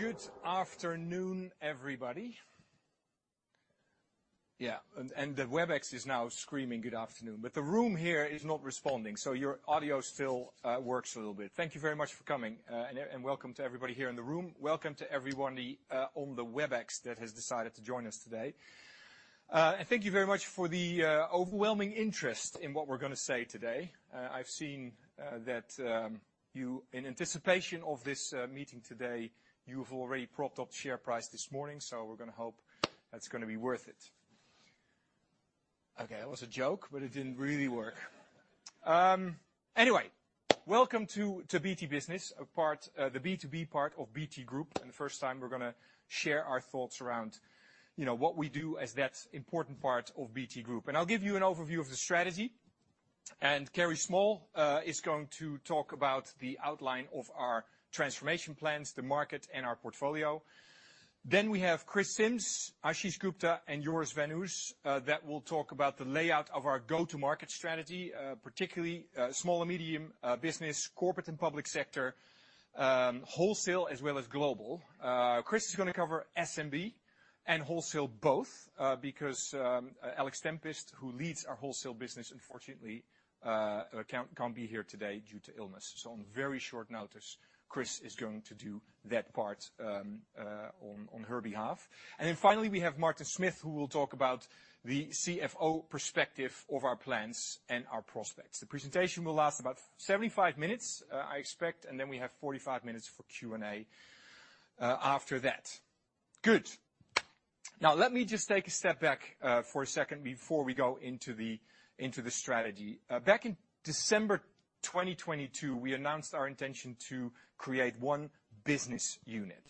Good afternoon, everybody. Yeah, and the Webex is now screaming good afternoon, but the room here is not responding, so your audio still works a little bit. Thank you very much for coming, and welcome to everybody here in the room. Welcome to everybody on the Webex that has decided to join us today. And thank you very much for the overwhelming interest in what we're gonna say today. I've seen that you, in anticipation of this meeting today, you've already propped up the share price this morning, so we're gonna hope that's gonna be worth it. Okay, that was a joke, but it didn't really work. Anyway, welcome to BT Business, a part, the B2B part of BT Group, and the first time we're gonna share our thoughts around, you know, what we do as that important part of BT Group. And I'll give you an overview of the strategy, and Kerry Small is going to talk about the outline of our transformation plans, the market, and our portfolio. Then we have Chris Sims, Ashish Gupta, and Joris van Oers that will talk about the layout of our go-to-market strategy, particularly Small and Medium Business, Corporate and Public Sector, Wholesale, as well as global. Chris is gonna cover SMB and Wholesale both, because Alex Tempest, who leads our Wholesale business, unfortunately can't be here today due to illness. So on very short notice, Chris is going to do that part on her behalf. And then finally, we have Martin Smith, who will talk about the CFO perspective of our plans and our prospects. The presentation will last about 75 minutes, I expect, and then we have 45 minutes for Q&A after that. Good. Now, let me just take a step back for a second before we go into the strategy. Back in December 2022, we announced our intention to create one business unit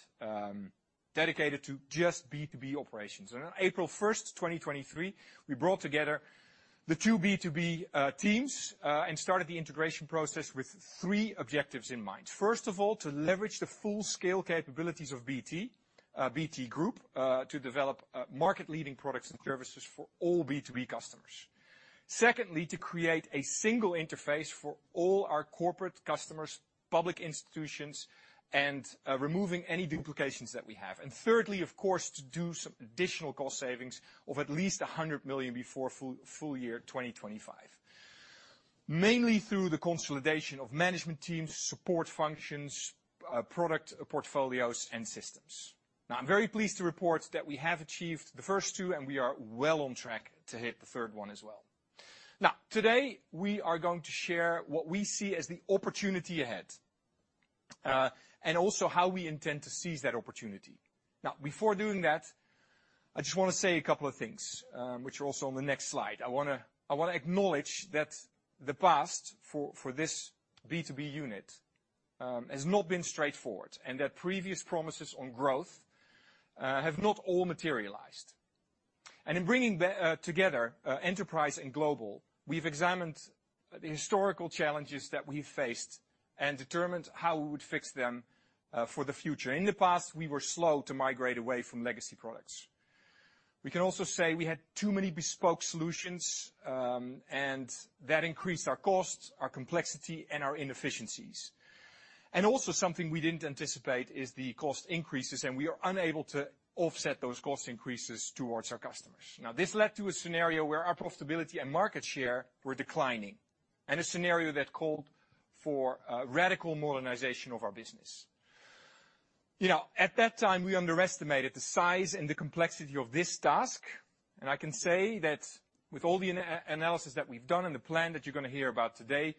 dedicated to just B2B operations. And on April 1st, 2023, we brought together the two B2B teams and started the integration process with three objectives in mind. First of all, to leverage the full-scale capabilities of BT Group to develop market-leading products and services for all B2B customers. Secondly, to create a single interface for all our corporate customers, public institutions, and removing any duplications that we have. And thirdly, of course, to do some additional cost savings of at least 100 million before full year 2025, mainly through the consolidation of management teams, support functions, product portfolios, and systems. Now, I'm very pleased to report that we have achieved the first two, and we are well on track to hit the third one as well. Now, today, we are going to share what we see as the opportunity ahead, and also how we intend to seize that opportunity. Now, before doing that, I just wanna say a couple of things, which are also on the next slide. I wanna acknowledge that the past for this B2B unit has not been straightforward, and that previous promises on growth have not all materialized. And in bringing together enterprise and global, we've examined the historical challenges that we've faced and determined how we would fix them for the future. In the past, we were slow to migrate away from legacy products. We can also say we had too many bespoke solutions, and that increased our costs, our complexity, and our inefficiencies. And also, something we didn't anticipate is the cost increases, and we are unable to offset those cost increases towards our customers. Now, this led to a scenario where our profitability and market share were declining and a scenario that called for a radical modernization of our business. You know, at that time, we underestimated the size and the complexity of this task, and I can say that with all the analysis that we've done and the plan that you're gonna hear about today,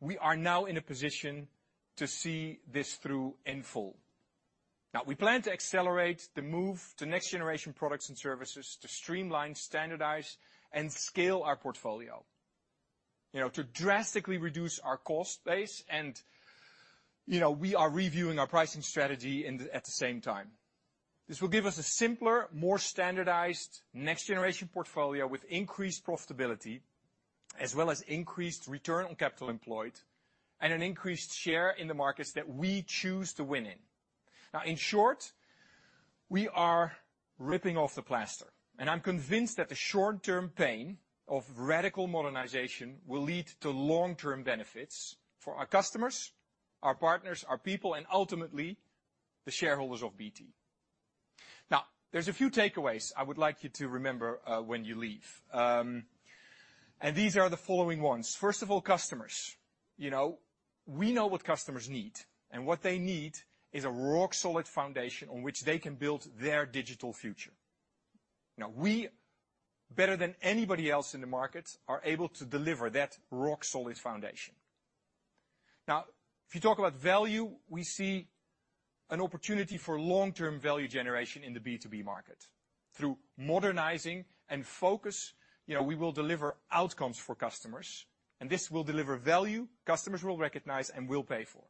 we are now in a position to see this through in full. Now, we plan to accelerate the move to next-generation products and services to streamline, standardize, and scale our portfolio, you know, to drastically reduce our cost base, and, you know, we are reviewing our pricing strategy at the same time. This will give us a simpler, more standardized next-generation portfolio with increased profitability, as well as increased return on capital employed and an increased share in the markets that we choose to win in. Now, in short, we are ripping off the plaster, and I'm convinced that the short-term pain of radical modernization will lead to long-term benefits for our customers, our partners, our people, and ultimately, the shareholders of BT. Now, there's a few takeaways I would like you to remember, when you leave, and these are the following ones. First of all, customers. You know, we know what customers need, and what they need is a rock-solid foundation on which they can build their digital future. Now, we, better than anybody else in the market, are able to deliver that rock-solid foundation. Now, if you talk about value, we see an opportunity for long-term value generation in the B2B market. Through modernizing and focus, you know, we will deliver outcomes for customers, and this will deliver value customers will recognize and will pay for.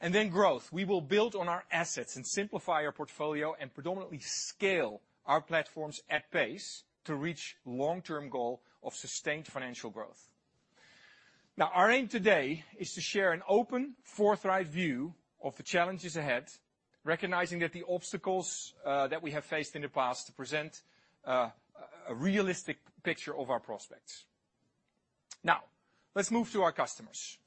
And then growth, we will build on our assets and simplify our portfolio and predominantly scale our platforms at pace to reach long-term goal of sustained financial growth. Now, our aim today is to share an open, forthright view of the challenges ahead, recognizing that the obstacles that we have faced in the past to present a realistic picture of our prospects. Now, let's move to our customers.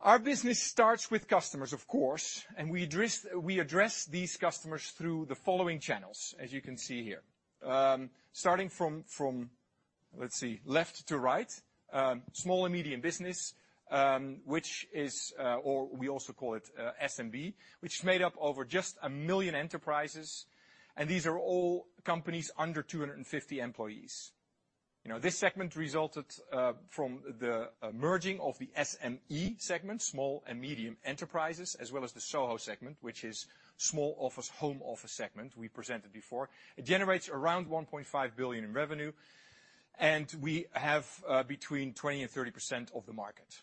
Our business starts with customers, of course, and we address these customers through the following channels, as you can see here. Starting from left to right, Small and Medium Business, which is, or we also call it, SMB, which is made up of over just 1 million enterprises, and these are all companies under 250 employees. You know, this segment resulted from the merging of the SME segment, small and medium enterprises, as well as the SoHo segment, which is small office, home office segment we presented before. It generates around 1.5 billion in revenue, and we have between 20% and 30% of the market.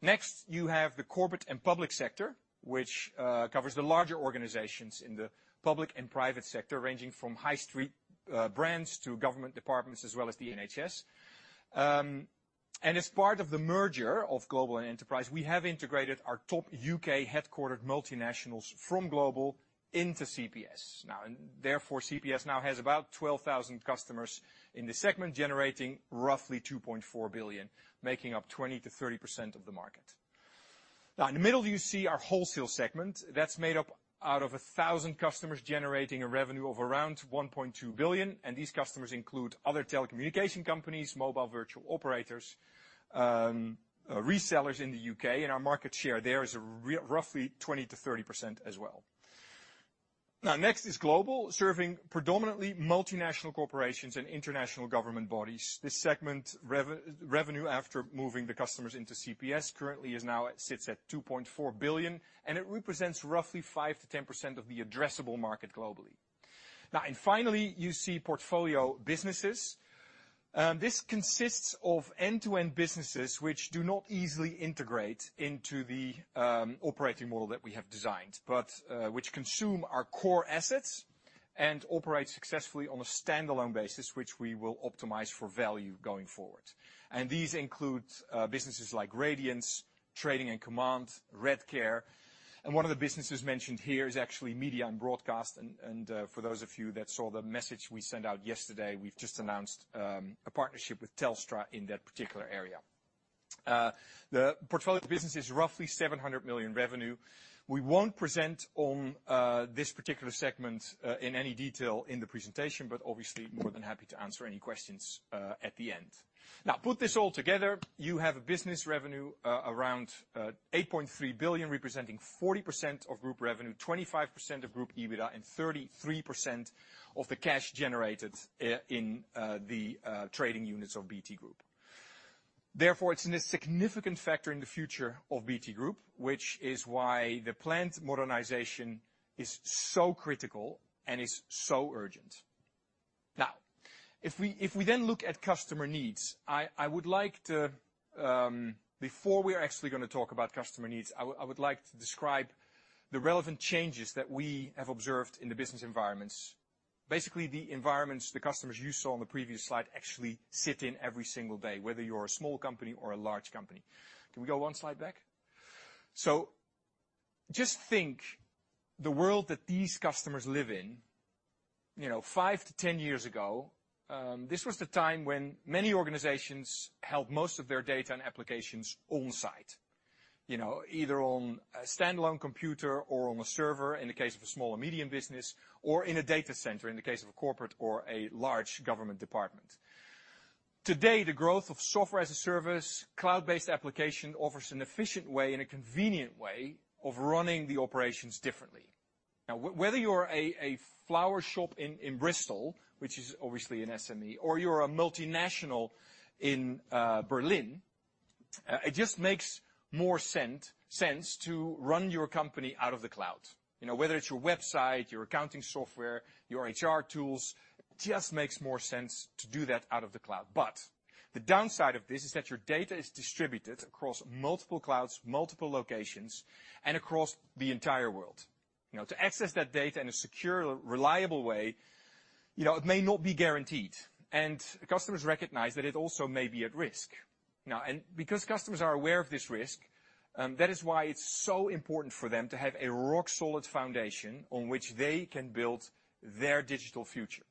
Next, you have the Corporate and Public Sector, which covers the larger organizations in the public and private sector, ranging from high street brands to government departments, as well as the NHS. And as part of the merger of Global and Enterprise, we have integrated our top U.K.-headquartered multinationals from Global into CPS. Now, and therefore, CPS now has about 12,000 customers in this segment, generating roughly 2.4 billion, making up 20%-30% of the market. Now, in the middle, you see our Wholesale segment. That's made up out of 1,000 customers, generating a revenue of around 1.2 billion, and these customers include other telecommunication companies, mobile virtual operators, resellers in the U.K., and our market share there is roughly 20%-30% as well. Now, next is Global, serving predominantly multinational corporations and international government bodies. This segment revenue, after moving the customers into CPS, currently is now at, sits at 2.4 billion, and it represents roughly 5%-10% of the addressable market globally. Now, and finally, you see portfolio businesses. This consists of end-to-end businesses which do not easily integrate into the, operating model that we have designed, but, which consume our core assets and operate successfully on a standalone basis, which we will optimize for value going forward. These include businesses like Radianz, Trading and Command, Redcare, and one of the businesses mentioned here is actually Media and Broadcast. And for those of you that saw the message we sent out yesterday, we've just announced a partnership with Telstra in that particular area. The portfolio business is roughly 700 million revenue. We won't present on this particular segment in any detail in the presentation, but obviously more than happy to answer any questions at the end. Now, put this all together, you have a business revenue around 8.3 billion, representing 40% of group revenue, 25% of group EBITDA, and 33% of the cash generated in the trading units of BT Group. Therefore, it's a significant factor in the future of BT Group, which is why the planned modernization is so critical and is so urgent. Now, if we then look at customer needs, I would like to, before we are actually gonna talk about customer needs, I would like to describe the relevant changes that we have observed in the business environments. Basically, the environments the customers you saw on the previous slide actually sit in every single day, whether you're a small company or a large company. Can we go one slide back? So just think, the world that these customers live in, you know, 5-10 years ago, this was the time when many organizations held most of their data and applications on-site. You know, either on a standalone computer or on a server, in the case of a Small and Medium Business, or in a data center, in the case of a corporate or a large government department. Today, the growth of software-as-a-service, cloud-based application offers an efficient way and a convenient way of running the operations differently. Now, whether you're a flower shop in Bristol, which is obviously an SME, or you're a multinational in Berlin, it just makes more sense to run your company out of the cloud. You know, whether it's your website, your accounting software, your HR tools, it just makes more sense to do that out of the cloud. But the downside of this is that your data is distributed across multiple clouds, multiple locations, and across the entire world. You know, to access that data in a secure, reliable way, you know, it may not be guaranteed, and customers recognize that it also may be at risk. Now, because customers are aware of this risk, that is why it's so important for them to have a rock-solid foundation on which they can build their digital future,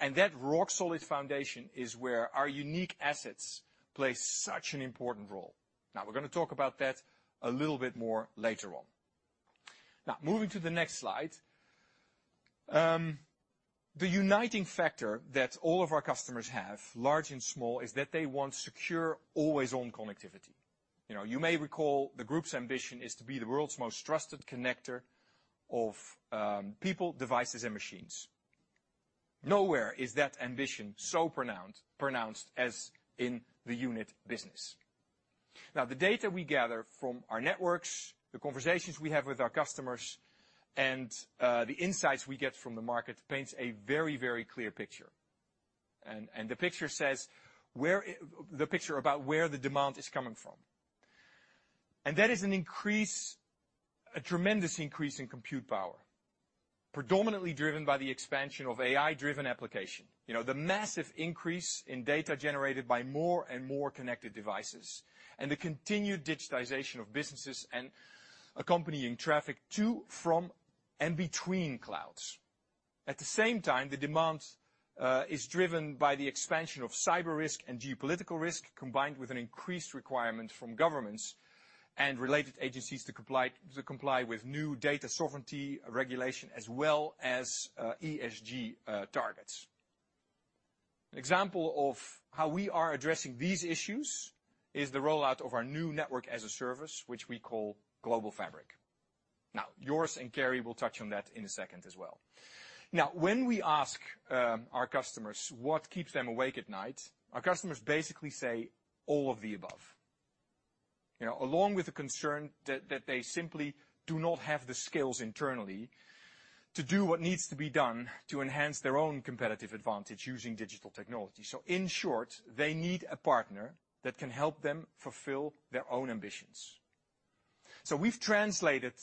and that rock-solid foundation is where our unique assets play such an important role. Now, we're gonna talk about that a little bit more later on. Now, moving to the next slide. The uniting factor that all of our customers have, large and small, is that they want secure, always-on connectivity. You know, you may recall the group's ambition is to be the world's most trusted connector of people, devices, and machines. Nowhere is that ambition so pronounced, pronounced as in the unit business. Now, the data we gather from our networks, the conversations we have with our customers, and the insights we get from the market paints a very, very clear picture. And the picture says, The picture about where the demand is coming from. And that is an increase, a tremendous increase in compute power, predominantly driven by the expansion of AI-driven application. You know, the massive increase in data generated by more and more connected devices and the continued digitization of businesses and accompanying traffic to, from, and between clouds. At the same time, the demand is driven by the expansion of cyber risk and geopolitical risk, combined with an increased requirement from governments and related agencies to comply with new data sovereignty regulation, as well as ESG targets. An example of how we are addressing these issues is the rollout of our new network as a service, which we call Global Fabric. Now, Joris and Kerry will touch on that in a second as well. Now, when we ask our customers what keeps them awake at night, our customers basically say all of the above. You know, along with the concern that they simply do not have the skills internally to do what needs to be done to enhance their own competitive advantage using digital technology. So in short, they need a partner that can help them fulfill their own ambitions. So we've translated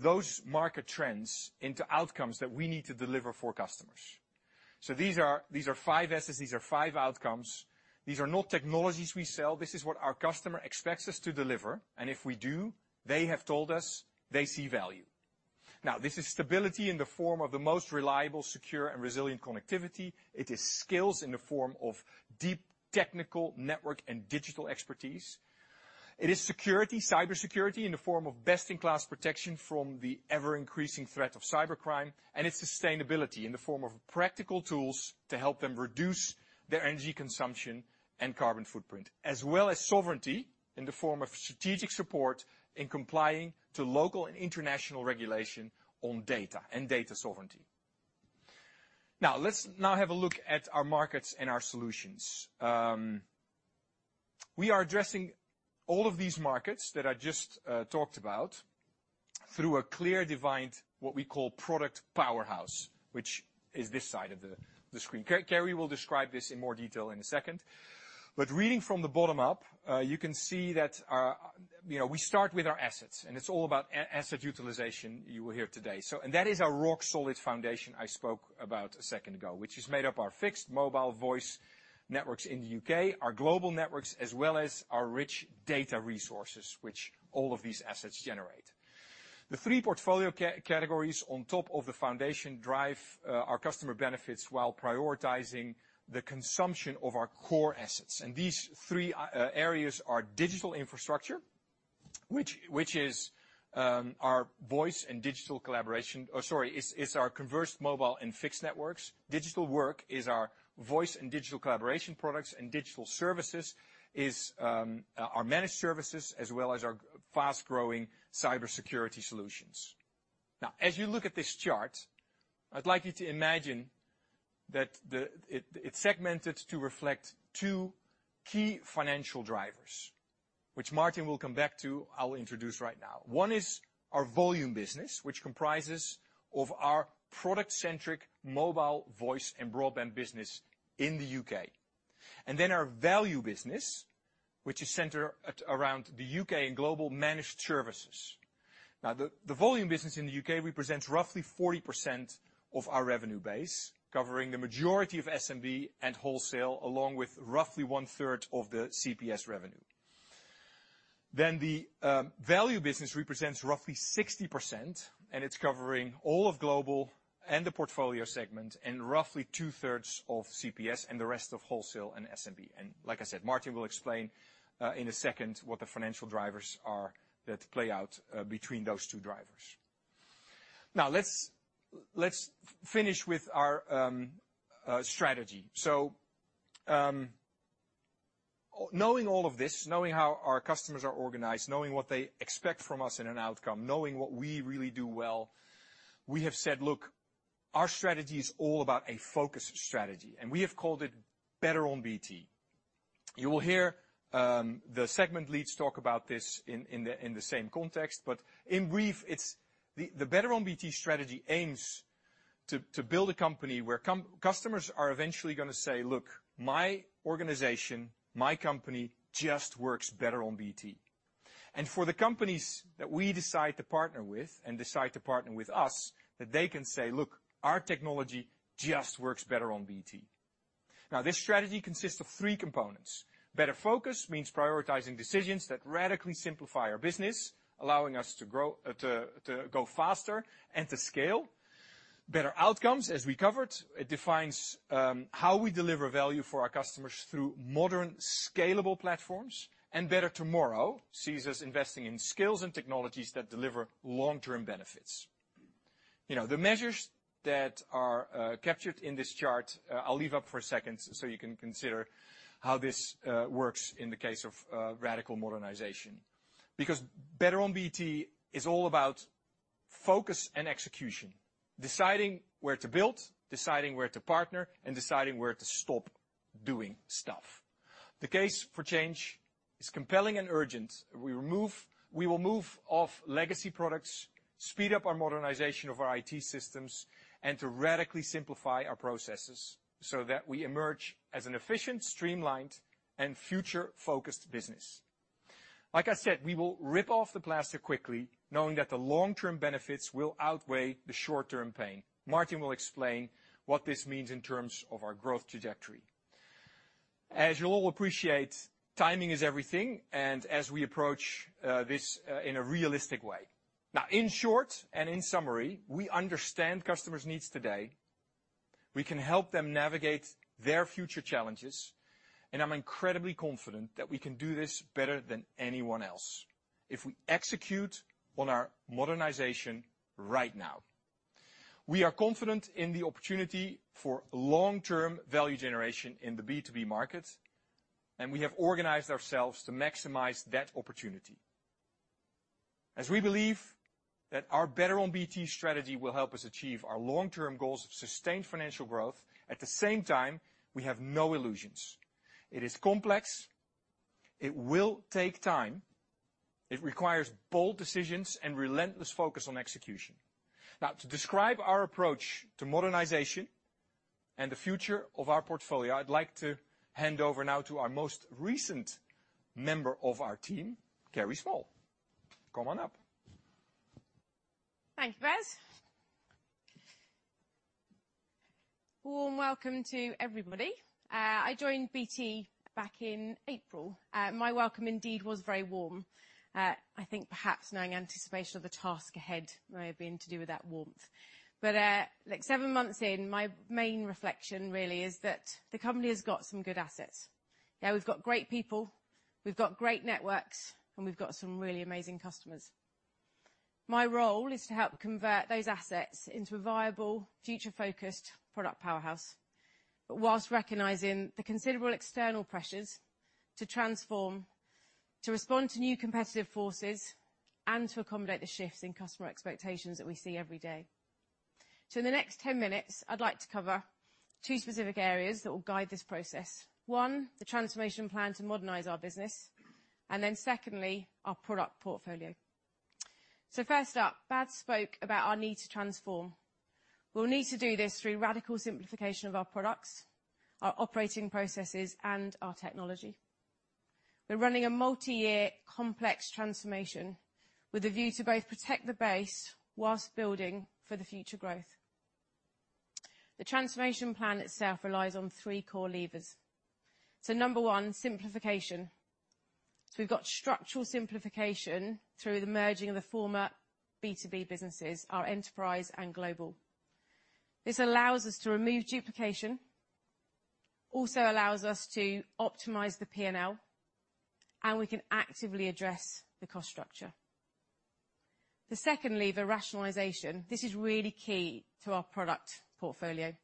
those market trends into outcomes that we need to deliver for customers. So these are five S's. These are five outcomes. These are not technologies we sell. This is what our customer expects us to deliver, and if we do, they have told us they see value. Now, this is stability in the form of the most reliable, secure, and resilient connectivity. It is skills in the form of deep technical, network, and digital expertise. It is security, cybersecurity, in the form of best-in-class protection from the ever-increasing threat of cybercrime. And it's sustainability in the form of practical tools to help them reduce their energy consumption and carbon footprint, as well as sovereignty in the form of strategic support in complying to local and international regulation on data and data sovereignty. Now, let's now have a look at our markets and our solutions. We are addressing all of these markets that I just talked about through a clear, defined, what we call product powerhouse, which is this side of the screen. Kerry will describe this in more detail in a second. But reading from the bottom up, you can see that our... You know, we start with our assets, and it's all about asset utilization you will hear today. That is our rock-solid foundation I spoke about a second ago, which is made up of our fixed mobile voice networks in the U.K., our global networks, as well as our rich data resources, which all of these assets generate. The three portfolio categories on top of the foundation drive our customer benefits while prioritizing the consumption of our core assets. And these three areas are digital infrastructure, which is voice and digital collaboration. Oh, sorry, which is our converged mobile and fixed networks. Digital work is our voice and digital collaboration products, and digital services is our managed services, as well as our fast-growing cybersecurity solutions. Now, as you look at this chart, I'd like you to imagine that it's segmented to reflect two key financial drivers, which Martin will come back to. I'll introduce right now. One is our volume business, which comprises of our product-centric mobile, voice, and broadband business in the U.K. And then our value business, which is centered around the U.K. and global managed services. Now, the volume business in the U.K. represents roughly 40% of our revenue base, covering the majority of SMB and Wholesale, along with roughly 1/3 of the CPS revenue. Then the value business represents roughly 60%, and it's covering all of global and the portfolio segment and roughly 2/3 of CPS and the rest of Wholesale and SMB. And like I said, Martin will explain in a second what the financial drivers are that play out between those two drivers. Now, let's finish with our strategy. So, knowing all of this, knowing how our customers are organized, knowing what they expect from us in an outcome, knowing what we really do well, we have said, "Look, our strategy is all about a focus strategy." And we have called it Better on BT. You will hear the segment leads talk about this in the same context, but in brief, it's the Better on BT strategy aims to build a company where customers are eventually gonna say, "Look, my organization, my company, just works better on BT." And for the companies that we decide to partner with and decide to partner with us, that they can say, "Look, our technology just works better on BT." Now, this strategy consists of three components. Better focus means prioritizing decisions that radically simplify our business, allowing us to grow to go faster and to scale. Better outcomes, as we covered, it defines how we deliver value for our customers through modern, scalable platforms. And better tomorrow sees us investing in skills and technologies that deliver long-term benefits. You know, the measures that are captured in this chart, I'll leave up for a second, so you can consider how this works in the case of radical modernization. Because Better on BT is all about focus and execution, deciding where to build, deciding where to partner, and deciding where to stop doing stuff. The case for change is compelling and urgent. We will move off legacy products, speed up our modernization of our IT systems, and to radically simplify our processes so that we emerge as an efficient, streamlined, and future-focused business. Like I said, we will rip off the plaster quickly, knowing that the long-term benefits will outweigh the short-term pain. Martin will explain what this means in terms of our growth trajectory, as you'll all appreciate, timing is everything, and as we approach this in a realistic way. Now, in short and in summary, we understand customers' needs today. We can help them navigate their future challenges, and I'm incredibly confident that we can do this better than anyone else if we execute on our modernization right now. We are confident in the opportunity for long-term value generation in the B2B market, and we have organized ourselves to maximize that opportunity. As we believe that our Better On BT strategy will help us achieve our long-term goals of sustained financial growth, at the same time, we have no illusions. It is complex. It will take time. It requires bold decisions and relentless focus on execution. Now, to describe our approach to modernization and the future of our portfolio, I'd like to hand over now to our most recent member of our team, Kerry Small. Come on up. Thank you, Bas. Warm welcome to everybody. I joined BT back in April. My welcome indeed was very warm. I think perhaps knowing anticipation of the task ahead may have been to do with that warmth. But, like, seven months in, my main reflection really is that the company has got some good assets. Yeah, we've got great people, we've got great networks, and we've got some really amazing customers. My role is to help convert those assets into a viable, future-focused product powerhouse, but while recognizing the considerable external pressures to transform, to respond to new competitive forces, and to accommodate the shifts in customer expectations that we see every day. So in the next 10 minutes, I'd like to cover two specific areas that will guide this process. One, the transformation plan to modernize our business, and then secondly, our product portfolio. So first up, Bas spoke about our need to transform. We'll need to do this through radical simplification of our products, our operating processes, and our technology. We're running a multi-year complex transformation with a view to both protect the base while building for the future growth. The transformation plan itself relies on three core levers. So number one, simplification. So we've got structural simplification through the merging of the former B2B businesses, our enterprise and global. This allows us to remove duplication, also allows us to optimize the P&L, and we can actively address the cost structure. The second lever, rationalization, this is really key to our product portfolio.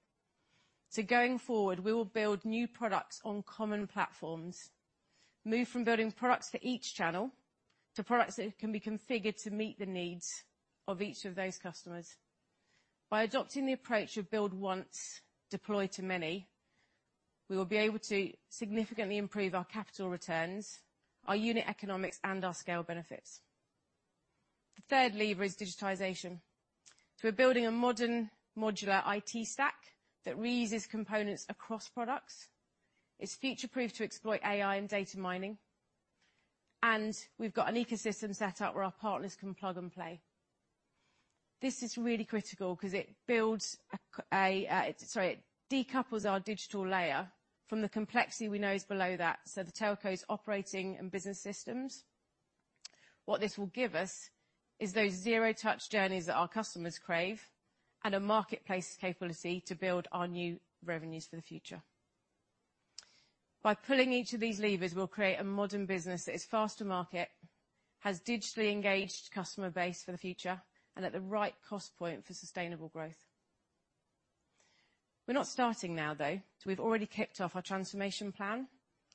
So going forward, we will build new products on common platforms, move from building products for each channel to products that can be configured to meet the needs of each of those customers. By adopting the approach of build once, deploy to many, we will be able to significantly improve our capital returns, our unit economics, and our scale benefits. The third lever is digitization. So we're building a modern, modular IT stack that reuses components across products. It's future-proof to exploit AI and data mining, and we've got an ecosystem set up where our partners can plug and play. This is really critical 'cause it decouples our digital layer from the complexity we know is below that, so the telco's operating and business systems. What this will give us is those zero-touch journeys that our customers crave and a marketplace capability to build our new revenues for the future. By pulling each of these levers, we'll create a modern business that is fast to market, has digitally engaged customer base for the future, and at the right cost point for sustainable growth. We're not starting now, though, so we've already kicked off our transformation plan.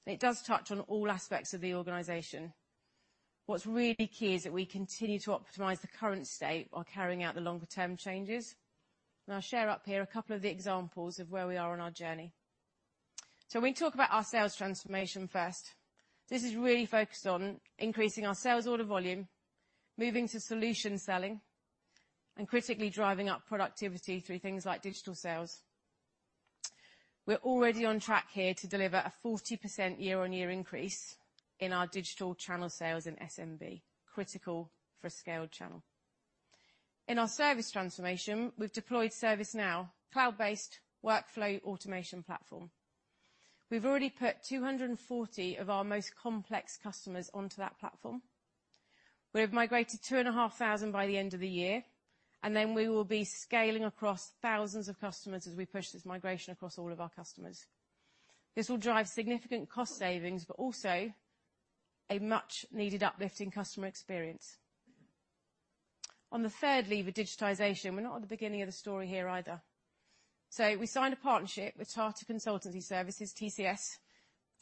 It does touch on all aspects of the organization. What's really key is that we continue to optimize the current state while carrying out the longer-term changes, and I'll share up here a couple of the examples of where we are on our journey. So when we talk about our sales transformation first, this is really focused on increasing our sales order volume, moving to solution selling, and critically driving up productivity through things like digital sales. We're already on track here to deliver a 40% year-on-year increase in our digital channel sales in SMB, critical for a scaled channel. In our service transformation, we've deployed ServiceNow, cloud-based workflow automation platform. We've already put 240 of our most complex customers onto that platform. We've migrated 2,500 by the end of the year, and then we will be scaling across thousands of customers as we push this migration across all of our customers. This will drive significant cost savings, but also a much-needed uplift in customer experience. On the third lever, digitization, we're not at the beginning of the story here either. So we signed a partnership with Tata Consultancy Services, TCS,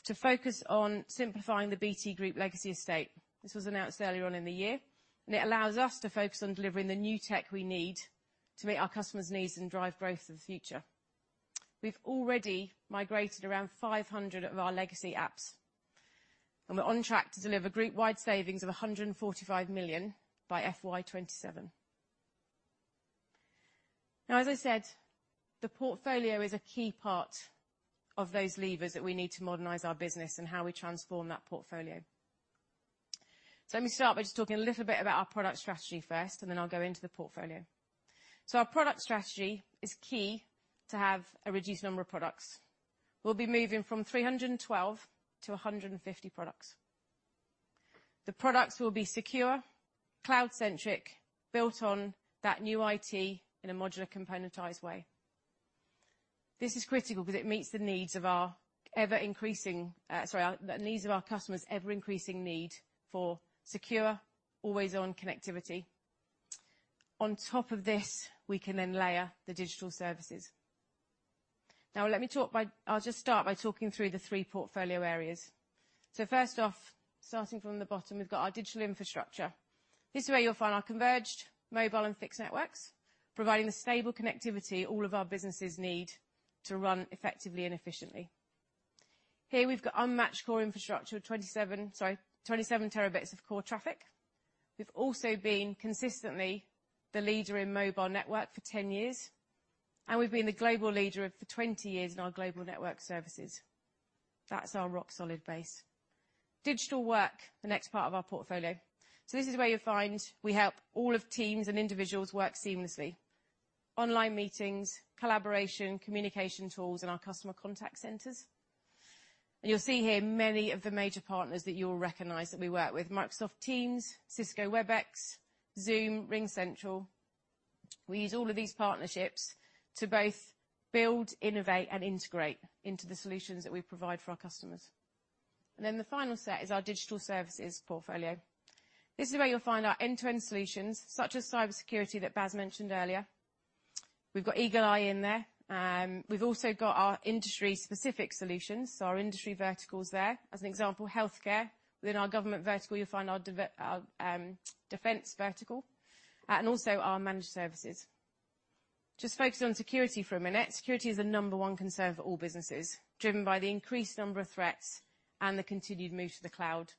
to focus on simplifying the BT Group legacy estate. This was announced earlier on in the year, and it allows us to focus on delivering the new tech we need to meet our customers' needs and drive growth for the future. We've already migrated around 500 of our legacy apps, and we're on track to deliver group-wide savings of 145 million by FY 2027. Now, as I said, the portfolio is a key part of those levers that we need to modernize our business and how we transform that portfolio. So let me start by just talking a little bit about our product strategy first, and then I'll go into the portfolio. So our product strategy is key to have a reduced number of products. We'll be moving from 312 to 150 products. The products will be secure, cloud-centric, built on that new IT in a modular, componentized way. This is critical because it meets the needs of our customers' ever-increasing need for secure, always-on connectivity. On top of this, we can then layer the digital services. Now, let me talk, I'll just start by talking through the three portfolio areas. So first off, starting from the bottom, we've got our digital infrastructure. This is where you'll find our converged mobile and fixed networks, providing the stable connectivity all of our businesses need to run effectively and efficiently. Here, we've got unmatched core infrastructure of 27, sorry, 27 terabits of core traffic. We've also been consistently the leader in mobile network for 10 years, and we've been the global leader for 20 years in our global network services. That's our rock-solid base. Digital work, the next part of our portfolio. So this is where you'll find we help all of teams and individuals work seamlessly. Online meetings, collaboration, communication tools, and our customer contact centers. And you'll see here many of the major partners that you'll recognize that we work with, Microsoft Teams, Cisco Webex, Zoom, RingCentral. We use all of these partnerships to both build, innovate, and integrate into the solutions that we provide for our customers. And then the final set is our digital services portfolio. This is where you'll find our end-to-end solutions, such as cybersecurity that Bas mentioned earlier. We've got Eagle-i in there. We've also got our industry-specific solutions, so our industry verticals there. As an example, healthcare. Within our government vertical, you'll find our defense vertical, and also our managed services. Just focusing on security for a minute, security is the number one concern for all businesses, driven by the increased number of threats and the continued move to the cloud.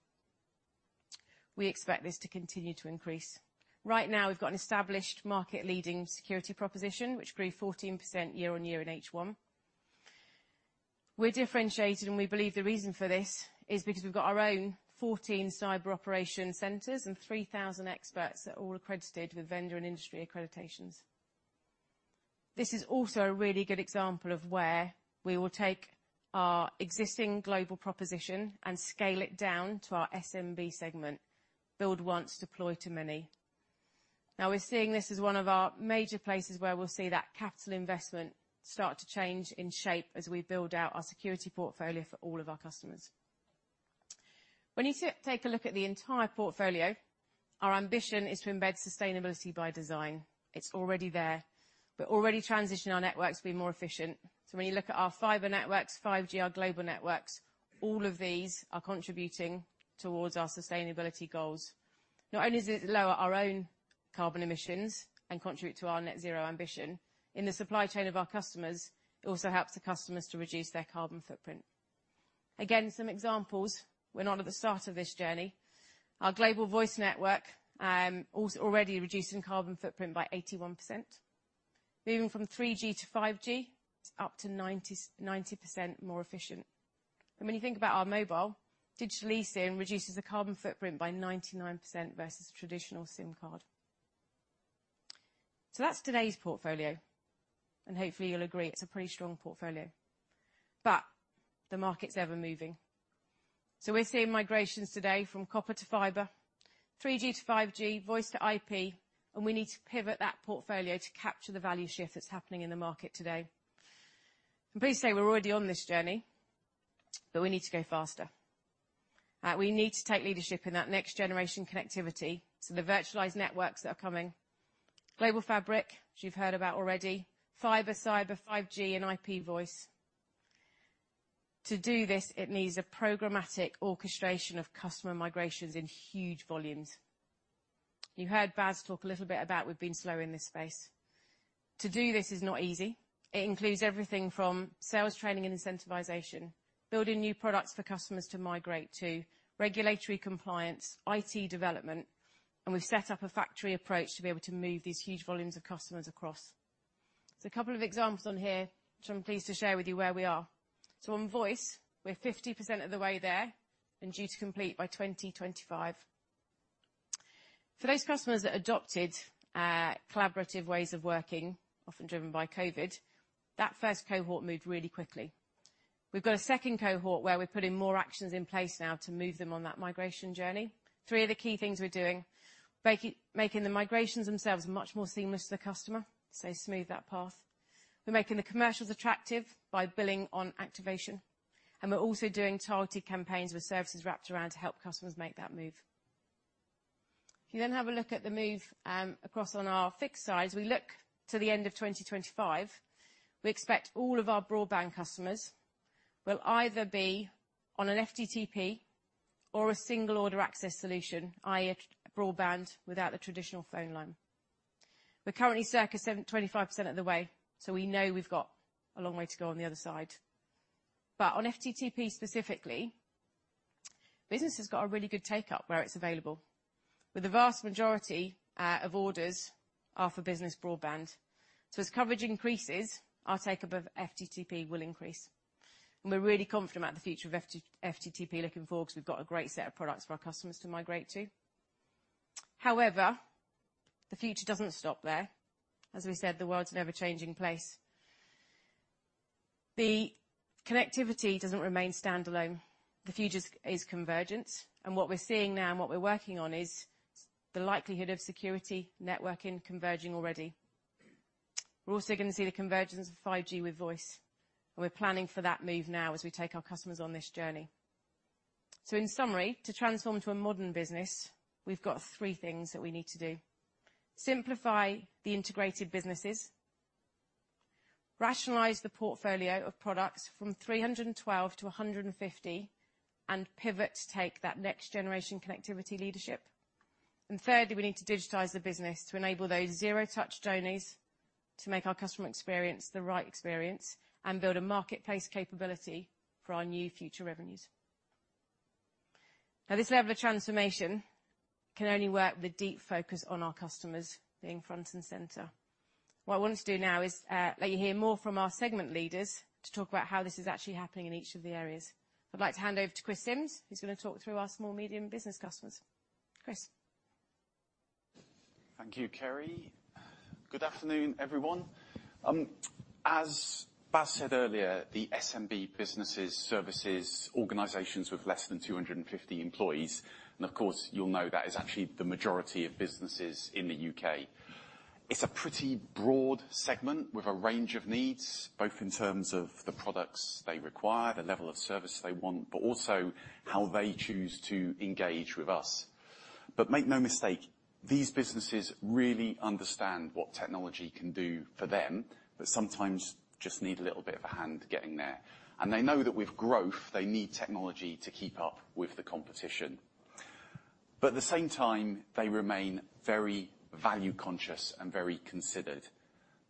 We expect this to continue to increase. Right now, we've got an established market-leading security proposition, which grew 14% year-on-year in H1. We're differentiated, and we believe the reason for this is because we've got our own 14 cyber operation centers and 3,000 experts that are all accredited with vendor and industry accreditations. This is also a really good example of where we will take our existing global proposition and scale it down to our SMB segment. Build once, deploy to many. Now, we're seeing this as one of our major places where we'll see that capital investment start to change in shape as we build out our security portfolio for all of our customers. When you take a look at the entire portfolio, our ambition is to embed sustainability by design. It's already there, but already transition our networks to be more efficient. So when you look at our fiber networks, 5G, our global networks, all of these are contributing towards our sustainability goals. Not only does it lower our own carbon emissions and contribute to our Net Zero ambition, in the supply chain of our customers, it also helps the customers to reduce their carbon footprint. Again, some examples. We're not at the start of this journey. Our global voice network already reducing carbon footprint by 81%. Moving from 3G to 5G, it's up to 90% more efficient. And when you think about our mobile, digital eSIM reduces the carbon footprint by 99% versus traditional SIM card. So that's today's portfolio, and hopefully, you'll agree it's a pretty strong portfolio. But the market's ever-moving. So we're seeing migrations today from copper to fiber, 3G to 5G, voice to IP, and we need to pivot that portfolio to capture the value shift that's happening in the market today. I'm pleased to say we're already on this journey, but we need to go faster. We need to take leadership in that next-generation connectivity, so the virtualized networks that are coming, Global Fabric, which you've heard about already, fiber, cyber, 5G, and IP voice. To do this, it needs a programmatic orchestration of customer migrations in huge volumes. You heard Bas talk a little bit about we've been slow in this space. To do this is not easy. It includes everything from sales, training, and incentivization, building new products for customers to migrate to, regulatory compliance, IT development, and we've set up a factory approach to be able to move these huge volumes of customers across. So a couple of examples on here, which I'm pleased to share with you where we are. So on voice, we're 50% of the way there and due to complete by 2025. For those customers that adopted collaborative ways of working, often driven by COVID, that first cohort moved really quickly. We've got a second cohort where we're putting more actions in place now to move them on that migration journey. Three of the key things we're doing, making, making the migrations themselves much more seamless to the customer, so smooth that path. We're making the commercials attractive by billing on activation, and we're also doing targeted campaigns with services wrapped around to help customers make that move. If you then have a look at the move across on our fixed sides, we look to the end of 2025, we expect all of our broadband customers will either be on an FTTP or a single order access solution, i.e., broadband without the traditional phone line. We're currently circa 75% of the way, so we know we've got a long way to go on the other side. But on FTTP specifically, business has got a really good take-up where it's available with the vast majority of orders are for business broadband. So as coverage increases, our take-up of FTTP will increase. And we're really confident about the future of FTTP looking forward, because we've got a great set of products for our customers to migrate to. However, the future doesn't stop there. As we said, the world's an ever-changing place. The connectivity doesn't remain standalone. The future is convergence, and what we're seeing now and what we're working on is the likelihood of security, networking, converging already. We're also gonna see the convergence of 5G with voice, and we're planning for that move now as we take our customers on this journey. So in summary, to transform to a modern business, we've got three things that we need to do. Simplify the integrated businesses, rationalize the portfolio of products from 312 to 150, and pivot to take that next generation connectivity leadership. And thirdly, we need to digitize the business to enable those zero-touch journeys to make our customer experience the right experience and build a marketplace capability for our new future revenues. Now, this level of transformation can only work with a deep focus on our customers being front and center. What I want us to do now is let you hear more from our segment leaders to talk about how this is actually happening in each of the areas. I'd like to hand over to Chris Sims, who's gonna talk through our small, medium business customers. Chris? Thank you, Kerry. Good afternoon, everyone. As Bas said earlier, the SMB businesses, services, organizations with less than 250 employees, and of course, you'll know that is actually the majority of businesses in the U.K. It's a pretty broad segment with a range of needs, both in terms of the products they require, the level of service they want, but also how they choose to engage with us. But make no mistake, these businesses really understand what technology can do for them, but sometimes just need a little bit of a hand getting there. And they know that with growth, they need technology to keep up with the competition. But at the same time, they remain very value-conscious and very considered.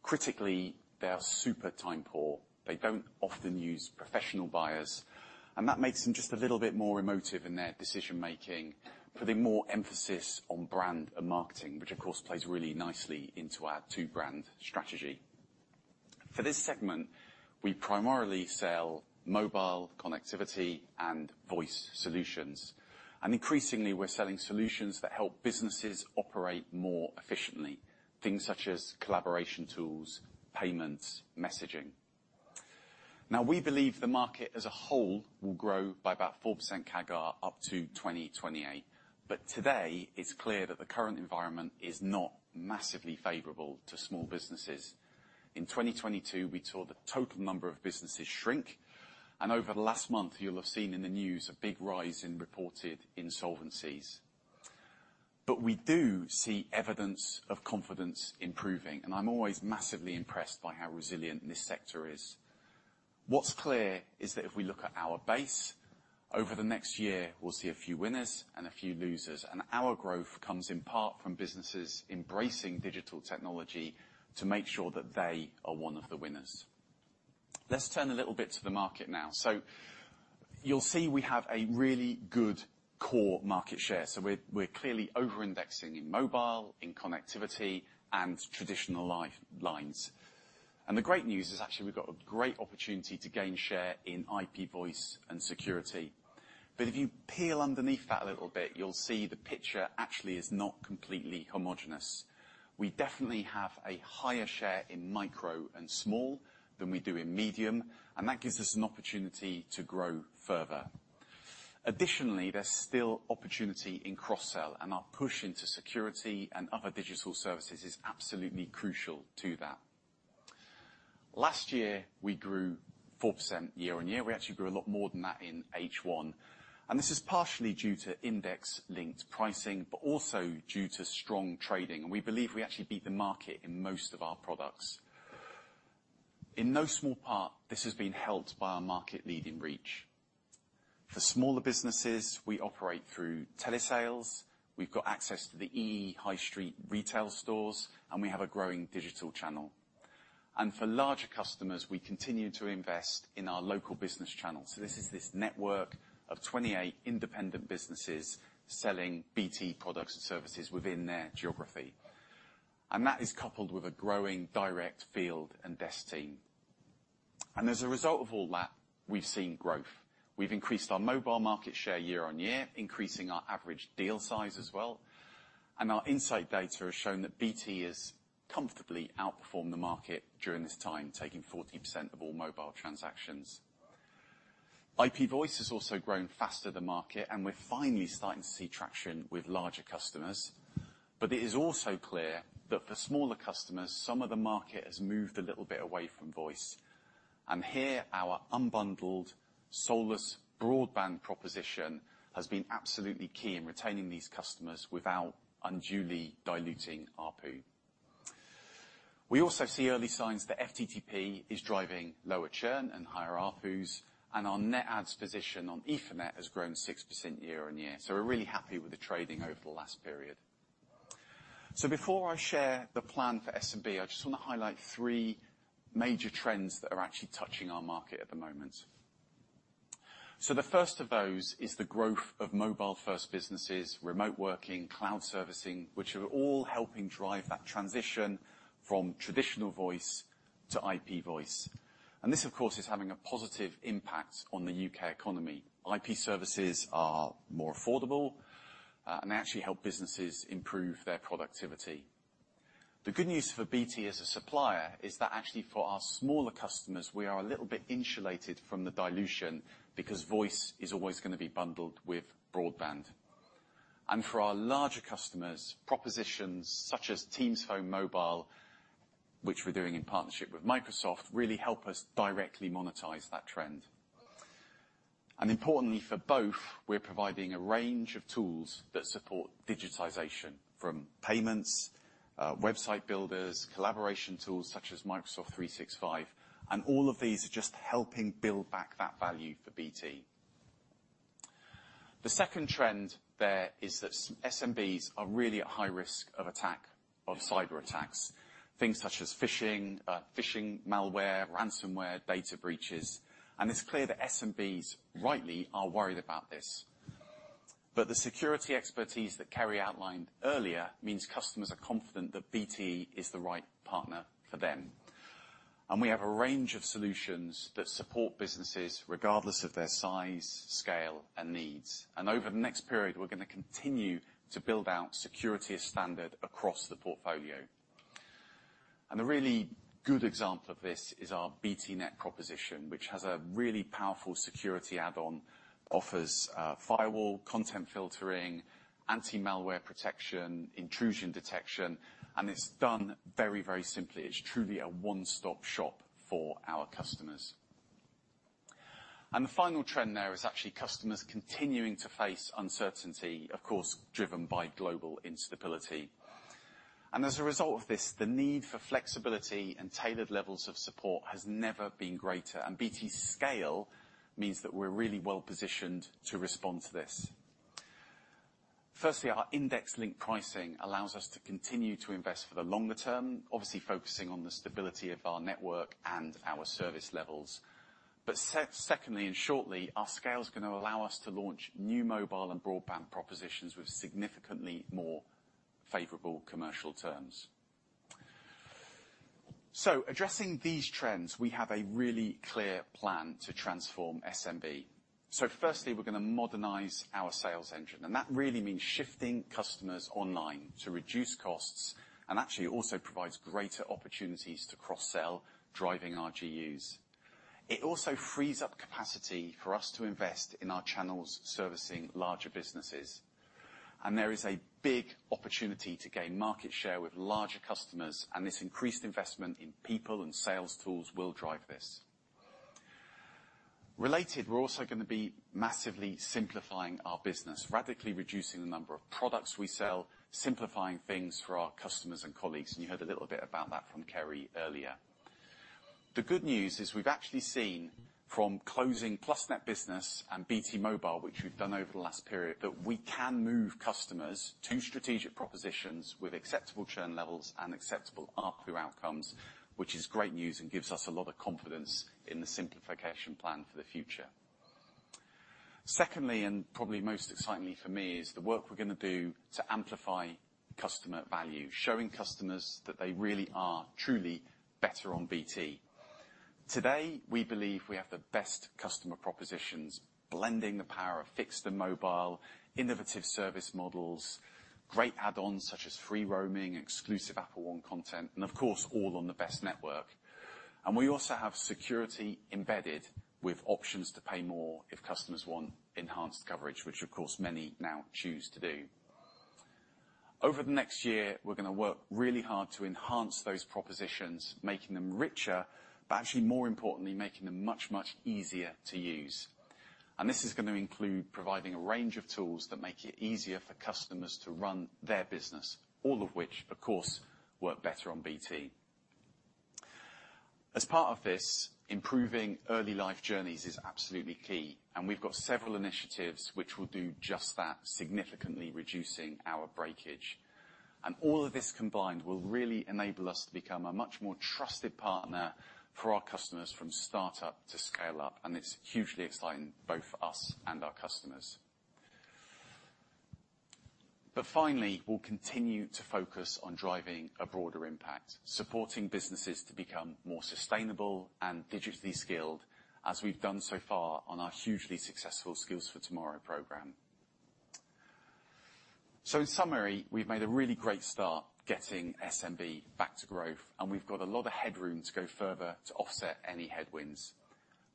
Critically, they are super time poor. They don't often use professional buyers, and that makes them just a little bit more emotive in their decision-making, putting more emphasis on brand and marketing, which, of course, plays really nicely into our two-brand strategy. For this segment, we primarily sell mobile connectivity and voice solutions, and increasingly, we're selling solutions that help businesses operate more efficiently, things such as collaboration tools, payments, messaging. Now, we believe the market as a whole will grow by about 4% CAGR up to 2028. But today, it's clear that the current environment is not massively favorable to small businesses. In 2022, we saw the total number of businesses shrink, and over the last month, you'll have seen in the news a big rise in reported insolvencies. But we do see evidence of confidence improving, and I'm always massively impressed by how resilient this sector is. What's clear is that if we look at our base, over the next year, we'll see a few winners and a few losers, and our growth comes in part from businesses embracing digital technology to make sure that they are one of the winners. Let's turn a little bit to the market now. So you'll see we have a really good core market share, so we're clearly overindexing in mobile, in connectivity, and traditional lines. And the great news is actually, we've got a great opportunity to gain share in IP Voice and security. But if you peel underneath that a little bit, you'll see the picture actually is not completely homogeneous. We definitely have a higher share in micro and small than we do in medium, and that gives us an opportunity to grow further. Additionally, there's still opportunity in cross-sell, and our push into security and other digital services is absolutely crucial to that. Last year, we grew 4% year-on-year. We actually grew a lot more than that in H1, and this is partially due to index-linked pricing, but also due to strong trading. And we believe we actually beat the market in most of our products. In no small part, this has been helped by our market-leading reach. For smaller businesses, we operate through telesales, we've got access to the EE high street retail stores, and we have a growing digital channel. And for larger customers, we continue to invest in our Local Business channels. So this is this network of 28 independent businesses selling BT products and services within their geography. And that is coupled with a growing direct field and desk team. And as a result of all that, we've seen growth. We've increased our mobile market share year-on-year, increasing our average deal size as well, and our insight data has shown that BT has comfortably outperformed the market during this time, taking 14% of all mobile transactions. IP Voice has also grown faster than market, and we're finally starting to see traction with larger customers. But it is also clear that for smaller customers, some of the market has moved a little bit away from voice, and here, our unbundled, standalone broadband proposition has been absolutely key in retaining these customers without unduly diluting ARPU. We also see early signs that FTTP is driving lower churn and higher ARPUs, and our net adds position on Ethernet has grown 6% year-on-year. So we're really happy with the trading over the last period. So before I share the plan for SMB, I just wanna highlight three major trends that are actually touching our market at the moment. So the first of those is the growth of mobile-first businesses, remote working, cloud servicing, which are all helping drive that transition from traditional voice to IP voice. And this, of course, is having a positive impact on the U.K. economy. IP services are more affordable, and actually help businesses improve their productivity. The good news for BT as a supplier is that actually for our smaller customers, we are a little bit insulated from the dilution, because voice is always gonna be bundled with broadband. And for our larger customers, propositions such as Teams Phone Mobile, which we're doing in partnership with Microsoft, really help us directly monetize that trend. Importantly, for both, we're providing a range of tools that support digitization, from payments, website builders, collaboration tools such as Microsoft 365, and all of these are just helping build back that value for BT. The second trend there is that SMBs are really at high risk of attack, of cyberattacks, things such as phishing, malware, ransomware, data breaches, and it's clear that SMBs, rightly, are worried about this. But the security expertise that Kerry outlined earlier means customers are confident that BT is the right partner for them. We have a range of solutions that support businesses regardless of their size, scale, and needs. Over the next period, we're gonna continue to build out security as standard across the portfolio. A really good example of this is our BTnet proposition, which has a really powerful security add-on offers, firewall, content filtering, anti-malware protection, intrusion detection, and it's done very, very simply. It's truly a one-stop shop for our customers. And the final trend there is actually customers continuing to face uncertainty, of course, driven by global instability. And as a result of this, the need for flexibility and tailored levels of support has never been greater, and BT's scale means that we're really well positioned to respond to this. Firstly, our index link pricing allows us to continue to invest for the longer term, obviously focusing on the stability of our network and our service levels. But secondly, and shortly, our scale is gonna allow us to launch new mobile and broadband propositions with significantly more favorable commercial terms. So addressing these trends, we have a really clear plan to transform SMB. So firstly, we're gonna modernize our sales engine, and that really means shifting customers online to reduce costs, and actually, it also provides greater opportunities to cross-sell, driving our RGUs. It also frees up capacity for us to invest in our channels servicing larger businesses, and there is a big opportunity to gain market share with larger customers, and this increased investment in people and sales tools will drive this. Related, we're also gonna be massively simplifying our business, radically reducing the number of products we sell, simplifying things for our customers and colleagues, and you heard a little bit about that from Kerry earlier. The good news is we've actually seen from closing Plusnet Business and BT Mobile, which we've done over the last period, that we can move customers to strategic propositions with acceptable churn levels and acceptable ARPU outcomes, which is great news and gives us a lot of confidence in the simplification plan for the future. Secondly, and probably most excitingly for me, is the work we're gonna do to amplify customer value, showing customers that they really are truly better on BT. Today, we believe we have the best customer propositions, blending the power of fixed and mobile, innovative service models, great add-ons such as free roaming, exclusive Apple One content, and of course, all on the best network. We also have security embedded with options to pay more if customers want enhanced coverage, which, of course, many now choose to do. Over the next year, we're gonna work really hard to enhance those propositions, making them richer, but actually, more importantly, making them much, much easier to use. And this is gonna include providing a range of tools that make it easier for customers to run their business, all of which, of course, work better on BT. As part of this, improving early life journeys is absolutely key, and we've got several initiatives which will do just that, significantly reducing our breakage. And all of this combined will really enable us to become a much more trusted partner for our customers from start-up to scale-up, and it's hugely exciting both for us and our customers. But finally, we'll continue to focus on driving a broader impact, supporting businesses to become more sustainable and digitally skilled, as we've done so far on our hugely successful Skills for Tomorrow program. So in summary, we've made a really great start getting SMB back to growth, and we've got a lot of headroom to go further to offset any headwinds.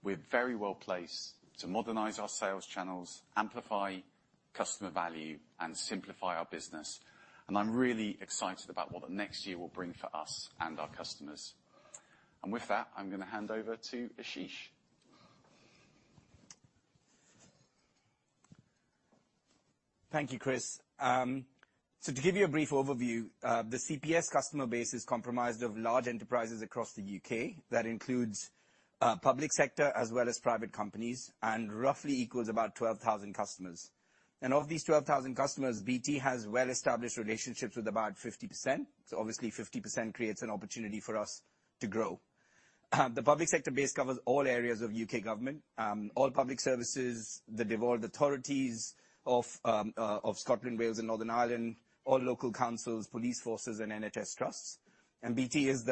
We're very well placed to modernize our sales channels, amplify customer value, and simplify our business, and I'm really excited about what the next year will bring for us and our customers. And with that, I'm gonna hand over to Ashish. Thank you, Chris. So to give you a brief overview, the CPS customer base is compromised of large enterprises across the U.K. That includes, public sector as well as private companies, and roughly equals about 12,000 customers. And of these 12,000 customers, BT has well-established relationships with about 50%, so obviously, 50% creates an opportunity for us to grow. The public sector base covers all areas of U.K. government, all public services, the devolved authorities of, of Scotland, Wales, and Northern Ireland, all local councils, police forces, and NHS trusts. BT is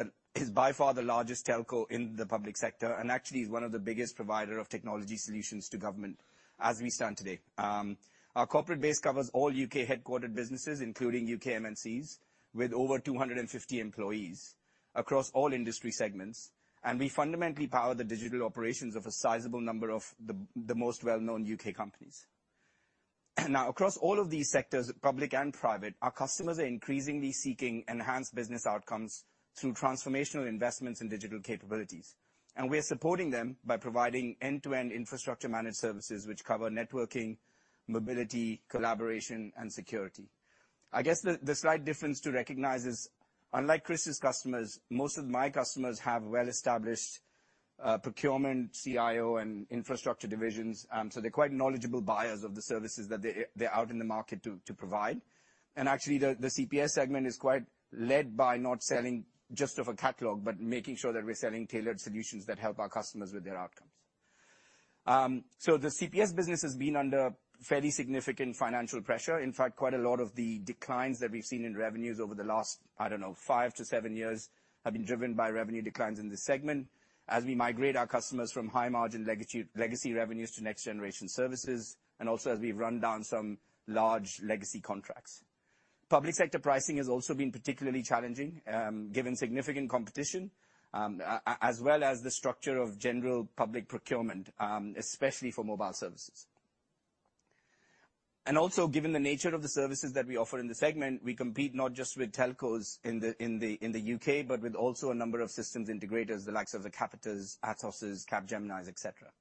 by far the largest telco in the public sector, and actually is one of the biggest provider of technology solutions to government as we stand today. Our corporate base covers all U.K. headquartered businesses, including U.K. MNCs, with over 250 employees across all industry segments, and we fundamentally power the digital operations of a sizable number of the most well-known U.K. companies. Now, across all of these sectors, public and private, our customers are increasingly seeking enhanced business outcomes through transformational investments in digital capabilities, and we are supporting them by providing end-to-end infrastructure managed services, which cover networking, mobility, collaboration, and security. I guess the slight difference to recognize is, unlike Chris' customers, most of my customers have well-established, procurement, CIO, and infrastructure divisions, so they're quite knowledgeable buyers of the services that they, they're out in the market to, to provide. And actually, the CPS segment is quite led by not selling just off a catalog, but making sure that we're selling tailored solutions that help our customers with their outcomes. So the CPS business has been under fairly significant financial pressure. In fact, quite a lot of the declines that we've seen in revenues over the last, I don't know, five-seven years, have been driven by revenue declines in this segment. As we migrate our customers from high-margin legacy revenues to next-generation services, and also as we've run down some large legacy contracts. Public sector pricing has also been particularly challenging, given significant competition, as well as the structure of general public procurement, especially for mobile services. And also, given the nature of the services that we offer in the segment, we compete not just with telcos in the U.K., but with also a number of systems integrators, the likes of the Capita, Atos, Capgemini, et cetera.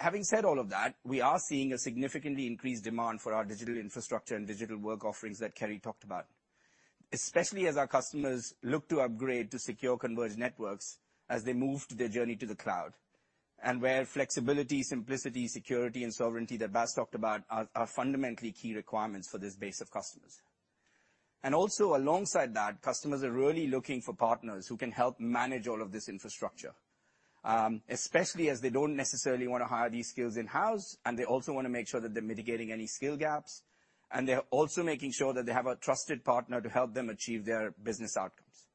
Having said all of that, we are seeing a significantly increased demand for our digital infrastructure and digital work offerings that Kerry talked about, especially as our customers look to upgrade to secure converged networks as they move to their journey to the cloud, and where flexibility, simplicity, security, and sovereignty, that Bas talked about, are fundamentally key requirements for this base of customers. And also, alongside that, customers are really looking for partners who can help manage all of this infrastructure, especially as they don't necessarily wanna hire these skills in-house, and they also wanna make sure that they're mitigating any skill gaps, and they're also making sure that they have a trusted partner to help them achieve their business outcomes.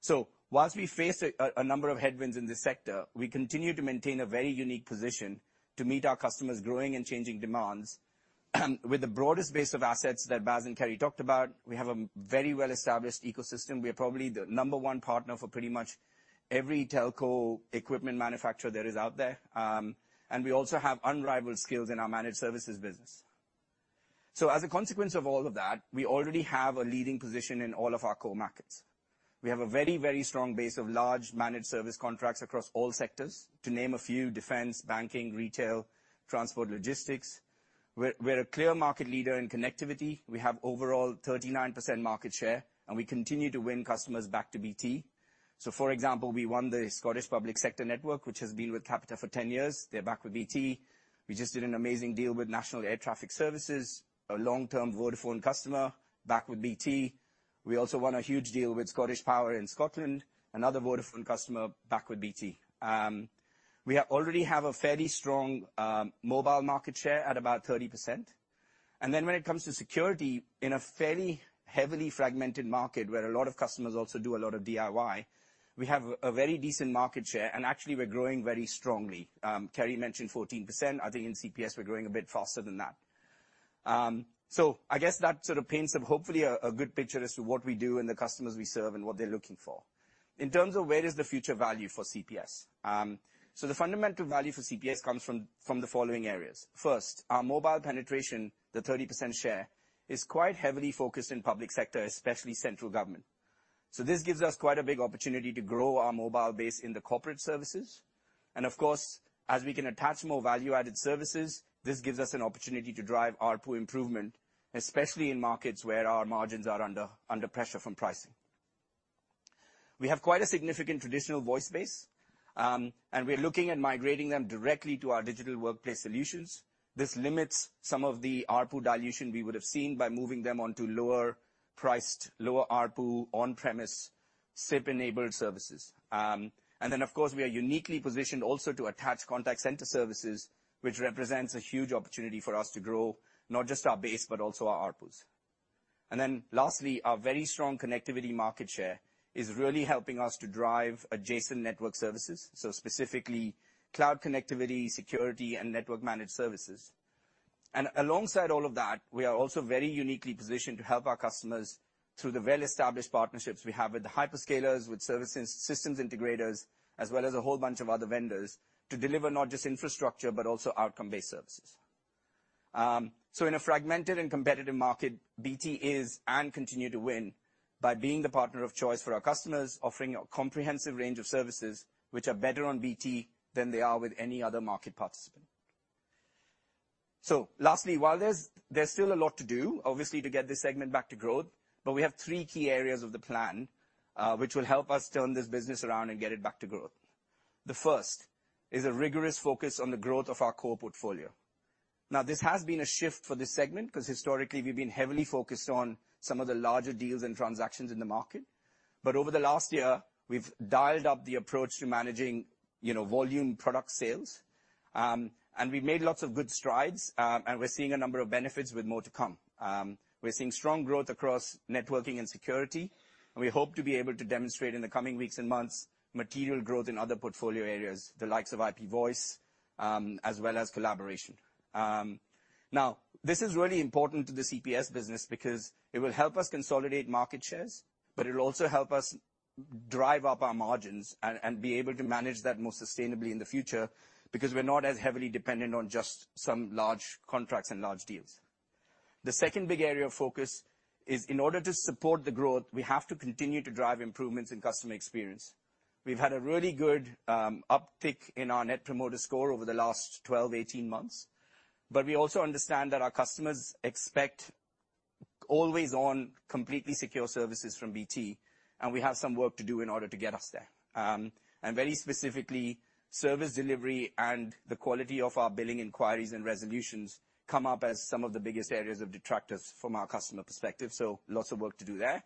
So whilst we face a number of headwinds in this sector, we continue to maintain a very unique position to meet our customers' growing and changing demands. With the broadest base of assets that Bas and Kerry talked about, we have a very well-established ecosystem. We are probably the number one partner for pretty much every telco equipment manufacturer that is out there, and we also have unrivaled skills in our managed services business. So as a consequence of all of that, we already have a leading position in all of our core markets. We have a very, very strong base of large managed service contracts across all sectors, to name a few, defense, banking, retail, transport, logistics. We're, we're a clear market leader in connectivity. We have overall 39% market share, and we continue to win customers back to BT. So, for example, we won the Scottish Public Sector Network, which has been with Capita for 10 years. They're back with BT. We just did an amazing deal with National Air Traffic Services, a long-term Vodafone customer, back with BT. We also won a huge deal with ScottishPower in Scotland, another Vodafone customer, back with BT. We already have a fairly strong mobile market share at about 30%. When it comes to security, in a fairly heavily fragmented market, where a lot of customers also do a lot of DIY, we have a very decent market share, and actually, we're growing very strongly. Kerry mentioned 14%. I think in CPS, we're growing a bit faster than that. So I guess that sort of paints hopefully a good picture as to what we do and the customers we serve and what they're looking for. In terms of where is the future value for CPS? So the fundamental value for CPS comes from the following areas. First, our mobile penetration, the 30% share, is quite heavily focused in public sector, especially central government. So this gives us quite a big opportunity to grow our mobile base in the corporate services. Of course, as we can attach more value-added services, this gives us an opportunity to drive ARPU improvement, especially in markets where our margins are under pressure from pricing. We have quite a significant traditional voice base, and we're looking at migrating them directly to our digital workplace solutions. This limits some of the ARPU dilution we would have seen by moving them onto lower-priced, lower-ARPU, on-premise, SIP-enabled services. And then, of course, we are uniquely positioned also to attach contact center services, which represents a huge opportunity for us to grow not just our base, but also our ARPUs. Then lastly, our very strong connectivity market share is really helping us to drive adjacent network services, so specifically, cloud connectivity, security, and network managed services. And alongside all of that, we are also very uniquely positioned to help our customers through the well-established partnerships we have with the hyperscalers, with services, systems integrators, as well as a whole bunch of other vendors, to deliver not just infrastructure, but also outcome-based services. So in a fragmented and competitive market, BT is and continue to win by being the partner of choice for our customers, offering a comprehensive range of services which are better on BT than they are with any other market participant. So lastly, while there's still a lot to do, obviously, to get this segment back to growth, but we have three key areas of the plan, which will help us turn this business around and get it back to growth. The first is a rigorous focus on the growth of our core portfolio. Now, this has been a shift for this segment, 'cause historically, we've been heavily focused on some of the larger deals and transactions in the market. But over the last year, we've dialed up the approach to managing, you know, volume product sales. And we've made lots of good strides, and we're seeing a number of benefits with more to come. We're seeing strong growth across networking and security, and we hope to be able to demonstrate in the coming weeks and months, material growth in other portfolio areas, the likes of IP Voice, as well as collaboration. Now, this is really important to the CPS business because it will help us consolidate market shares, but it'll also help us drive up our margins and, and be able to manage that more sustainably in the future, because we're not as heavily dependent on just some large contracts and large deals. The second big area of focus is, in order to support the growth, we have to continue to drive improvements in customer experience. We've had a really good uptick in our Net Promoter Score over the last 12-18 months, but we also understand that our customers expect always on, completely secure services from BT, and we have some work to do in order to get us there. Very specifically, service delivery and the quality of our billing inquiries and resolutions come up as some of the biggest areas of detractors from our customer perspective, so lots of work to do there.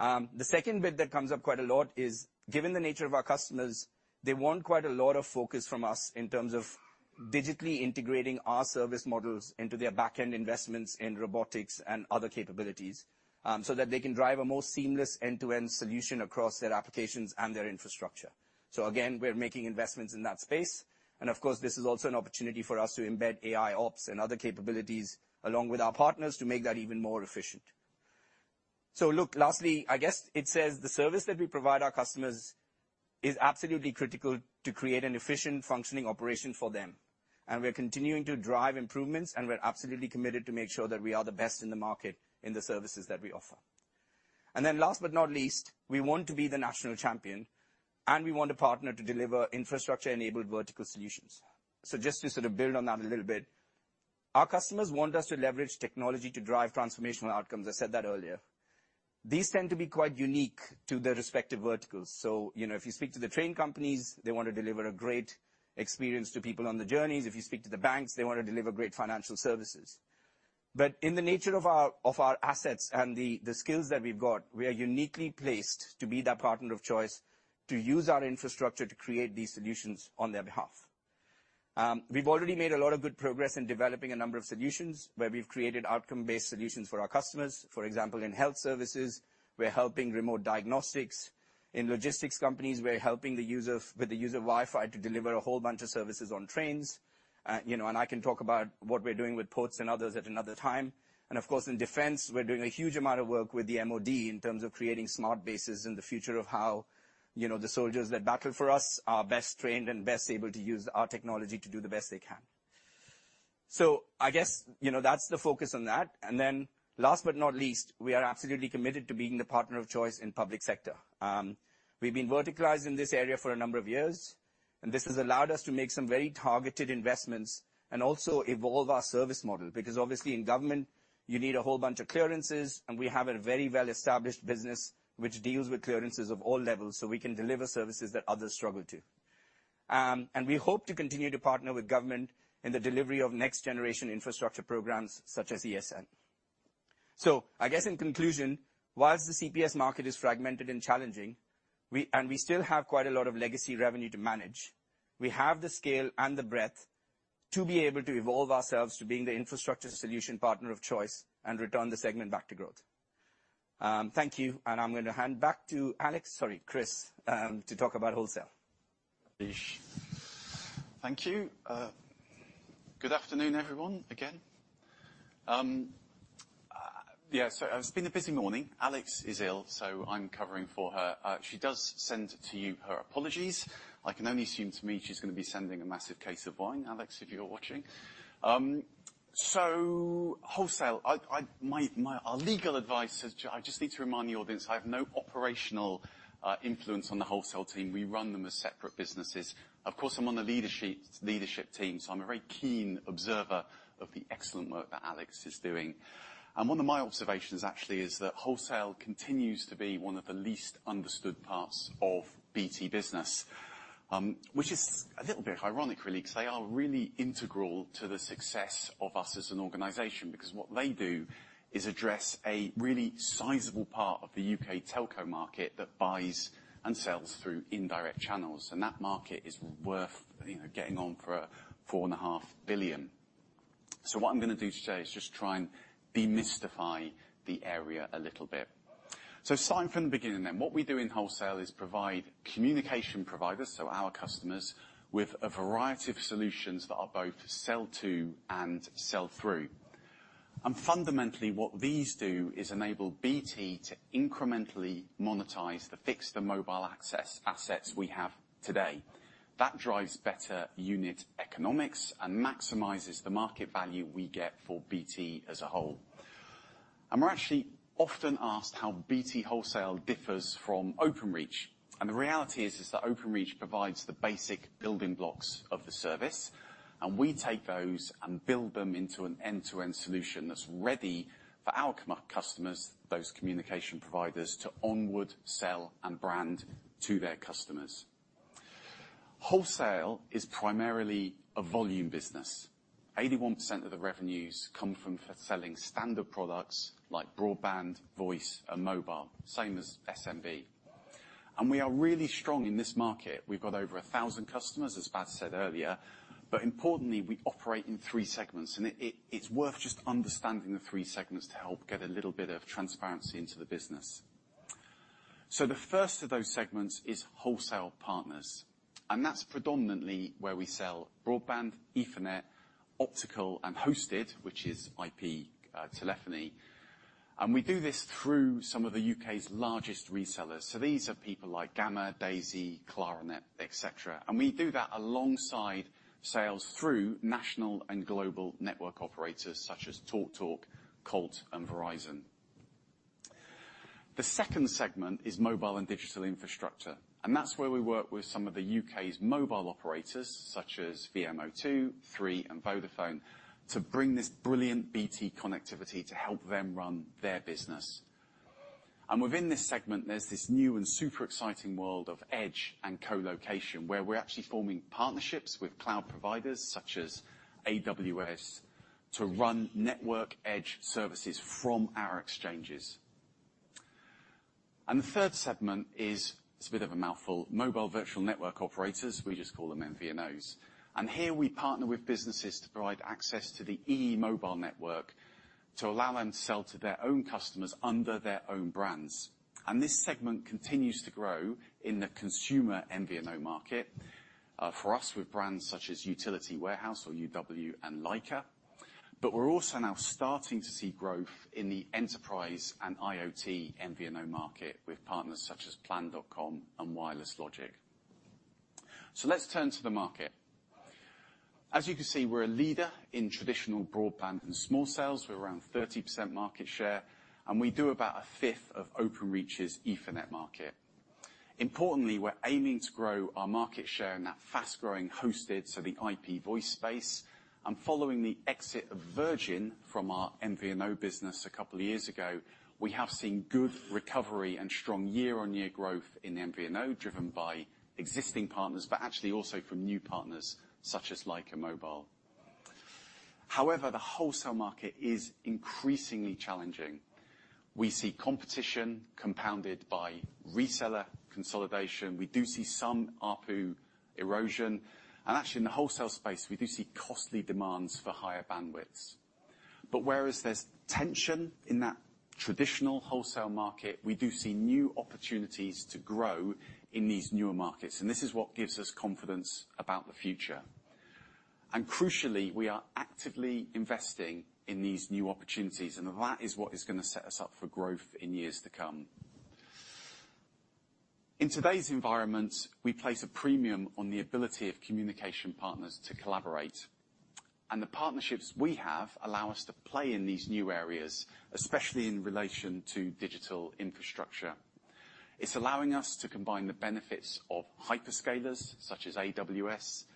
The second bit that comes up quite a lot is, given the nature of our customers, they want quite a lot of focus from us in terms of digitally integrating our service models into their back-end investments in robotics and other capabilities, so that they can drive a more seamless end-to-end solution across their applications and their infrastructure. So again, we're making investments in that space, and of course, this is also an opportunity for us to embed AIOps and other capabilities, along with our partners, to make that even more efficient. So look, lastly, I guess it says the service that we provide our customers is absolutely critical to create an efficient, functioning operation for them. We're continuing to drive improvements, and we're absolutely committed to make sure that we are the best in the market in the services that we offer. Last but not least, we want to be the national champion, and we want to partner to deliver infrastructure-enabled vertical solutions. Just to sort of build on that a little bit, our customers want us to leverage technology to drive transformational outcomes. I said that earlier. These tend to be quite unique to their respective verticals. You know, if you speak to the train companies, they want to deliver a great experience to people on the journeys. If you speak to the banks, they want to deliver great financial services. But in the nature of our assets and the skills that we've got, we are uniquely placed to be that partner of choice, to use our infrastructure to create these solutions on their behalf. We've already made a lot of good progress in developing a number of solutions, where we've created outcome-based solutions for our customers. For example, in health services, we're helping remote diagnostics. In logistics companies, we're helping the user with the user Wi-Fi to deliver a whole bunch of services on trains. You know, and I can talk about what we're doing with ports and others at another time. Of course, in defense, we're doing a huge amount of work with the MOD in terms of creating smart bases in the future of how, you know, the soldiers that battle for us are best trained and best able to use our technology to do the best they can. So I guess, you know, that's the focus on that. And then, last but not least, we are absolutely committed to being the partner of choice in public sector. We've been verticalized in this area for a number of years, and this has allowed us to make some very targeted investments and also evolve our service model, because obviously, in government, you need a whole bunch of clearances, and we have a very well-established business which deals with clearances of all levels, so we can deliver services that others struggle to. And we hope to continue to partner with government in the delivery of next-generation infrastructure programs such as ESN. So I guess, in conclusion, while the CPS market is fragmented and challenging, we and we still have quite a lot of legacy revenue to manage, we have the scale and the breadth to be able to evolve ourselves to being the infrastructure solution partner of choice and return the segment back to growth. Thank you, and I'm going to hand back to Alex-- sorry, Chris, to talk about Wholesale. Thank you. Good afternoon, everyone, again. Yeah, so it's been a busy morning. Alex is ill, so I'm covering for her. She does send to you her apologies. I can only assume to me, she's gonna be sending a massive case of wine, Alex, if you're watching. So Wholesale, our legal advice is, I just need to remind the audience, I have no operational influence on the Wholesale team. We run them as separate businesses. Of course, I'm on the leadership team, so I'm a very keen observer of the excellent work that Alex is doing. One of my observations, actually, is that Wholesale continues to be one of the least understood parts of BT Business, which is a little bit ironic, really, because they are really integral to the success of us as an organization, because what they do is address a really sizable part of the U.K. telco market that buys and sells through indirect channels, and that market is worth, you know, getting on for 4.5 billion. So what I'm gonna do today is just try and demystify the area a little bit. So starting from the beginning, then. What we do in Wholesale is provide communication providers, so our customers, with a variety of solutions that are both sell to and sell through. And fundamentally, what these do is enable BT to incrementally monetize the fixed and mobile access assets we have today. That drives better unit economics and maximizes the market value we get for BT as a whole. We're actually often asked how BT Wholesale differs from Openreach, and the reality is that Openreach provides the basic building blocks of the service, and we take those and build them into an end-to-end solution that's ready for our customers, those communication providers, to onward sell and brand to their customers. Wholesale is primarily a volume business. 81% of the revenues come from selling standard products like broadband, voice, and mobile, same as SMB. We are really strong in this market. We've got over 1,000 customers, as Bas said earlier, but importantly, we operate in three segments, and it's worth just understanding the three segments to help get a little bit of transparency into the business. So the first of those segments is Wholesale partners, and that's predominantly where we sell broadband, Ethernet, optical, and hosted, which is IP telephony. And we do this through some of the U.K.'s largest resellers. So these are people like Gamma, Daisy, Claranet, et cetera, and we do that alongside sales through national and global network operators such as TalkTalk, Colt, and Verizon. The second segment is mobile and digital infrastructure, and that's where we work with some of the U.K.'s mobile operators, such as VMO2, Three, and Vodafone, to bring this brilliant BT connectivity to help them run their business. And within this segment, there's this new and super exciting world of edge and colocation, where we're actually forming partnerships with cloud providers such as AWS to run network edge services from our exchanges. The third segment is, it's a bit of a mouthful, mobile virtual network operators. We just call them MVNOs. And here we partner with businesses to provide access to the EE mobile network, to allow them to sell to their own customers under their own brands. And this segment continues to grow in the consumer MVNO market, for us, with brands such as Utility Warehouse, or UW, and Lyca. But we're also now starting to see growth in the enterprise and IoT MVNO market with partners such as plan.com and Wireless Logic. So let's turn to the market. As you can see, we're a leader in traditional broadband and small cells. We're around 30% market share, and we do about a fifth of Openreach's Ethernet market. Importantly, we're aiming to grow our market share in that fast-growing hosted, so the IP Voice space, and following the exit of Virgin from our MVNO business a couple of years ago, we have seen good recovery and strong year-over-year growth in MVNO, driven by existing partners, but actually also from new partners such as Lycamobile. However, the Wholesale market is increasingly challenging. We see competition compounded by reseller consolidation. We do see some ARPU erosion, and actually, in the Wholesale space, we do see costly demands for higher bandwidths. But whereas there's tension in that traditional Wholesale market, we do see new opportunities to grow in these newer markets, and this is what gives us confidence about the future. And crucially, we are actively investing in these new opportunities, and that is what is gonna set us up for growth in years to come. In today's environment, we place a premium on the ability of communication partners to collaborate, and the partnerships we have allow us to play in these new areas, especially in relation to digital infrastructure. It's allowing us to combine the benefits of hyperscalers, such as AWS,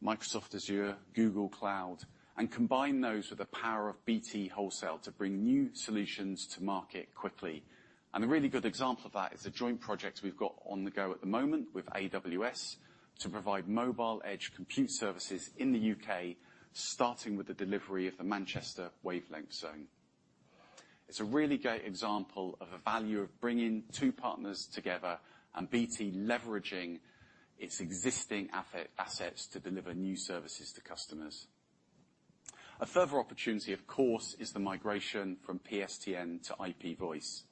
Microsoft Azure, Google Cloud, and combine those with the power of BT Wholesale to bring new solutions to market quickly. A really good example of that is a joint project we've got on the go at the moment with AWS to provide mobile edge compute services in the UK, starting with the delivery of the Manchester Wavelength Zone. It's a really great example of a value of bringing two partners together and BT leveraging its existing assets to deliver new services to customers. A further opportunity, of course, is the migration from PSTN to IP Voice.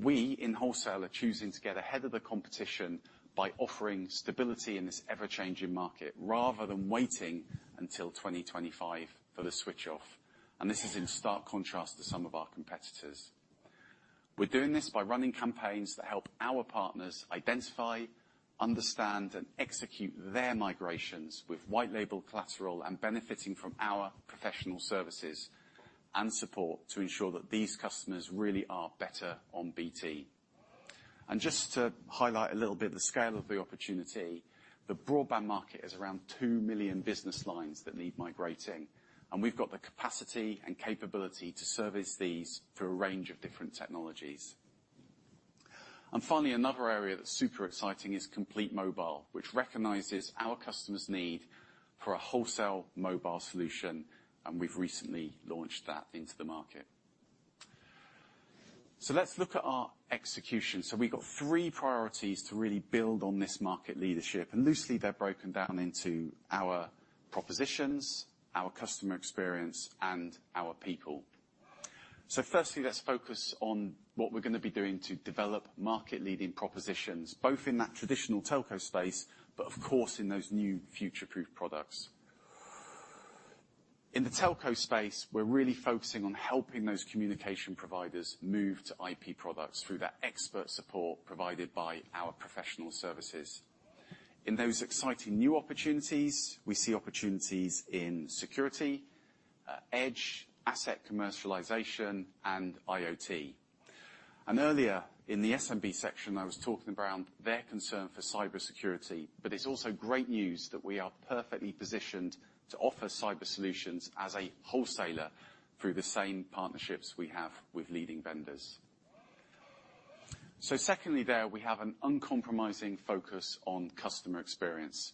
We, in Wholesale, are choosing to get ahead of the competition by offering stability in this ever-changing market, rather than waiting until 2025 for the switch off, and this is in stark contrast to some of our competitors. We're doing this by running campaigns that help our partners identify, understand, and execute their migrations with white label collateral and benefiting from our professional services and support to ensure that these customers really are better on BT. Just to highlight a little bit the scale of the opportunity, the broadband market is around 2 million business lines that need migrating, and we've got the capacity and capability to service these through a range of different technologies. Finally, another area that's super exciting is Complete Mobile, which recognizes our customers' need for a Wholesale mobile solution, and we've recently launched that into the market. Let's look at our execution. We've got three priorities to really build on this market leadership, and loosely, they're broken down into our propositions, our customer experience, and our people. Firstly, let's focus on what we're gonna be doing to develop market-leading propositions, both in that traditional telco space, but of course, in those new future-proof products. In the telco space, we're really focusing on helping those communication providers move to IP products through that expert support provided by our professional services. In those exciting new opportunities, we see opportunities in security, edge, asset commercialization, and IoT. And earlier, in the SMB section, I was talking around their concern for cybersecurity, but it's also great news that we are perfectly positioned to offer cyber solutions as a wholesaler through the same partnerships we have with leading vendors. Secondly, there, we have an uncompromising focus on customer experience.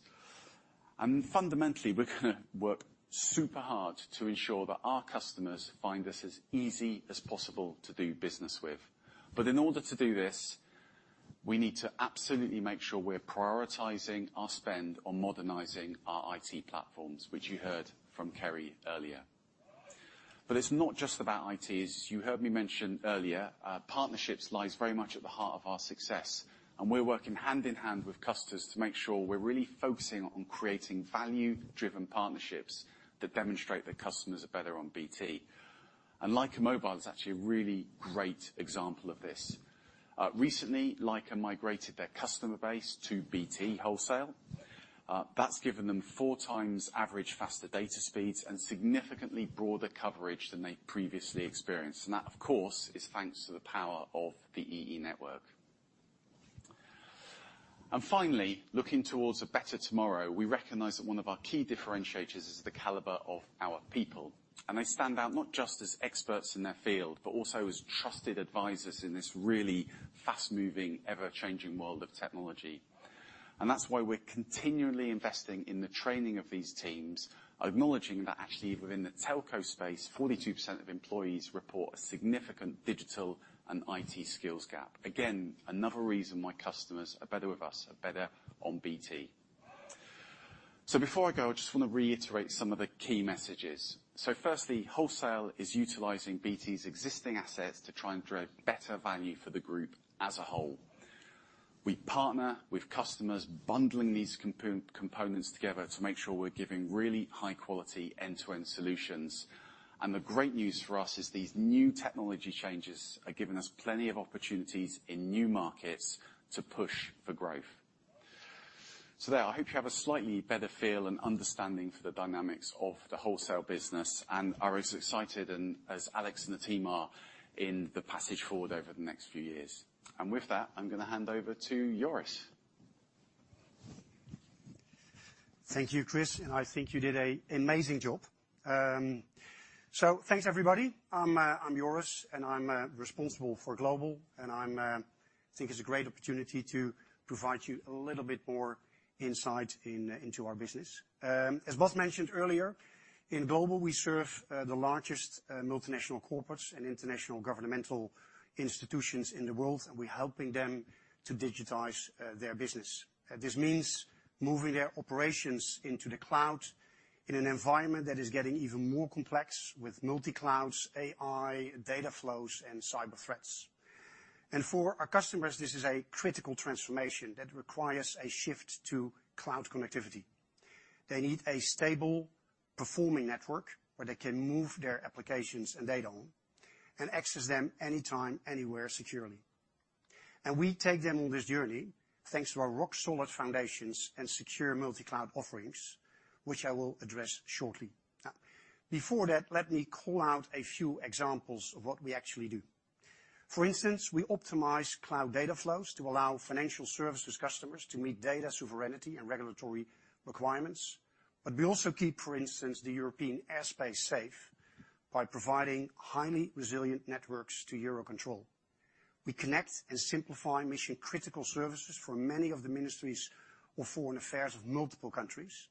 Fundamentally, we're gonna work super hard to ensure that our customers find us as easy as possible to do business with. In order to do this, we need to absolutely make sure we're prioritizing our spend on modernizing our IT platforms, which you heard from Kerry earlier. It's not just about IT. As you heard me mention earlier, partnerships lies very much at the heart of our success, and we're working hand in hand with customers to make sure we're really focusing on creating value-driven partnerships that demonstrate that customers are better on BT. Lycamobile is actually a really great example of this. Recently, Lycamobile migrated their customer base to BT Wholesale. That's given them 4x average faster data speeds and significantly broader coverage than they've previously experienced. That, of course, is thanks to the power of the EE network. Finally, looking towards a better tomorrow, we recognize that one of our key differentiators is the caliber of our people, and they stand out not just as experts in their field, but also as trusted advisors in this really fast-moving, ever-changing world of technology. That's why we're continually investing in the training of these teams, acknowledging that actually, within the telco space, 42% of employees report a significant digital and IT skills gap. Again, another reason why customers are better with us, are better on BT. Before I go, I just want to reiterate some of the key messages. Firstly, Wholesale is utilizing BT's existing assets to try and drive better value for the group as a whole. We partner with customers, bundling these components together to make sure we're giving really high-quality end-to-end solutions. The great news for us is these new technology changes are giving us plenty of opportunities in new markets to push for growth. So there, I hope you have a slightly better feel and understanding for the dynamics of the Wholesale business and are as excited as Alex and the team are in the passage forward over the next few years. With that, I'm gonna hand over to Joris. Thank you, Chris, and I think you did a amazing job. So thanks, everybody. I'm, I'm Joris, and I'm responsible for Global, and I think it's a great opportunity to provide you a little bit more insight into our business. As both mentioned earlier, in Global, we serve the largest multinational corporates and international governmental institutions in the world, and we're helping them to digitize their business. This means moving their operations into the cloud in an environment that is getting even more complex with multi-clouds, AI, data flows, and cyber threats. For our customers, this is a critical transformation that requires a shift to cloud connectivity. They need a stable, performing network where they can move their applications and data on and access them anytime, anywhere, securely. We take them on this journey, thanks to our rock-solid foundations and secure multi-cloud offerings, which I will address shortly. Now, before that, let me call out a few examples of what we actually do. For instance, we optimize cloud data flows to allow financial services customers to meet data sovereignty and regulatory requirements. But we also keep, for instance, the European airspace safe by providing highly resilient networks to Eurocontrol. We connect and simplify mission-critical services for many of the ministries of foreign affairs of multiple countries.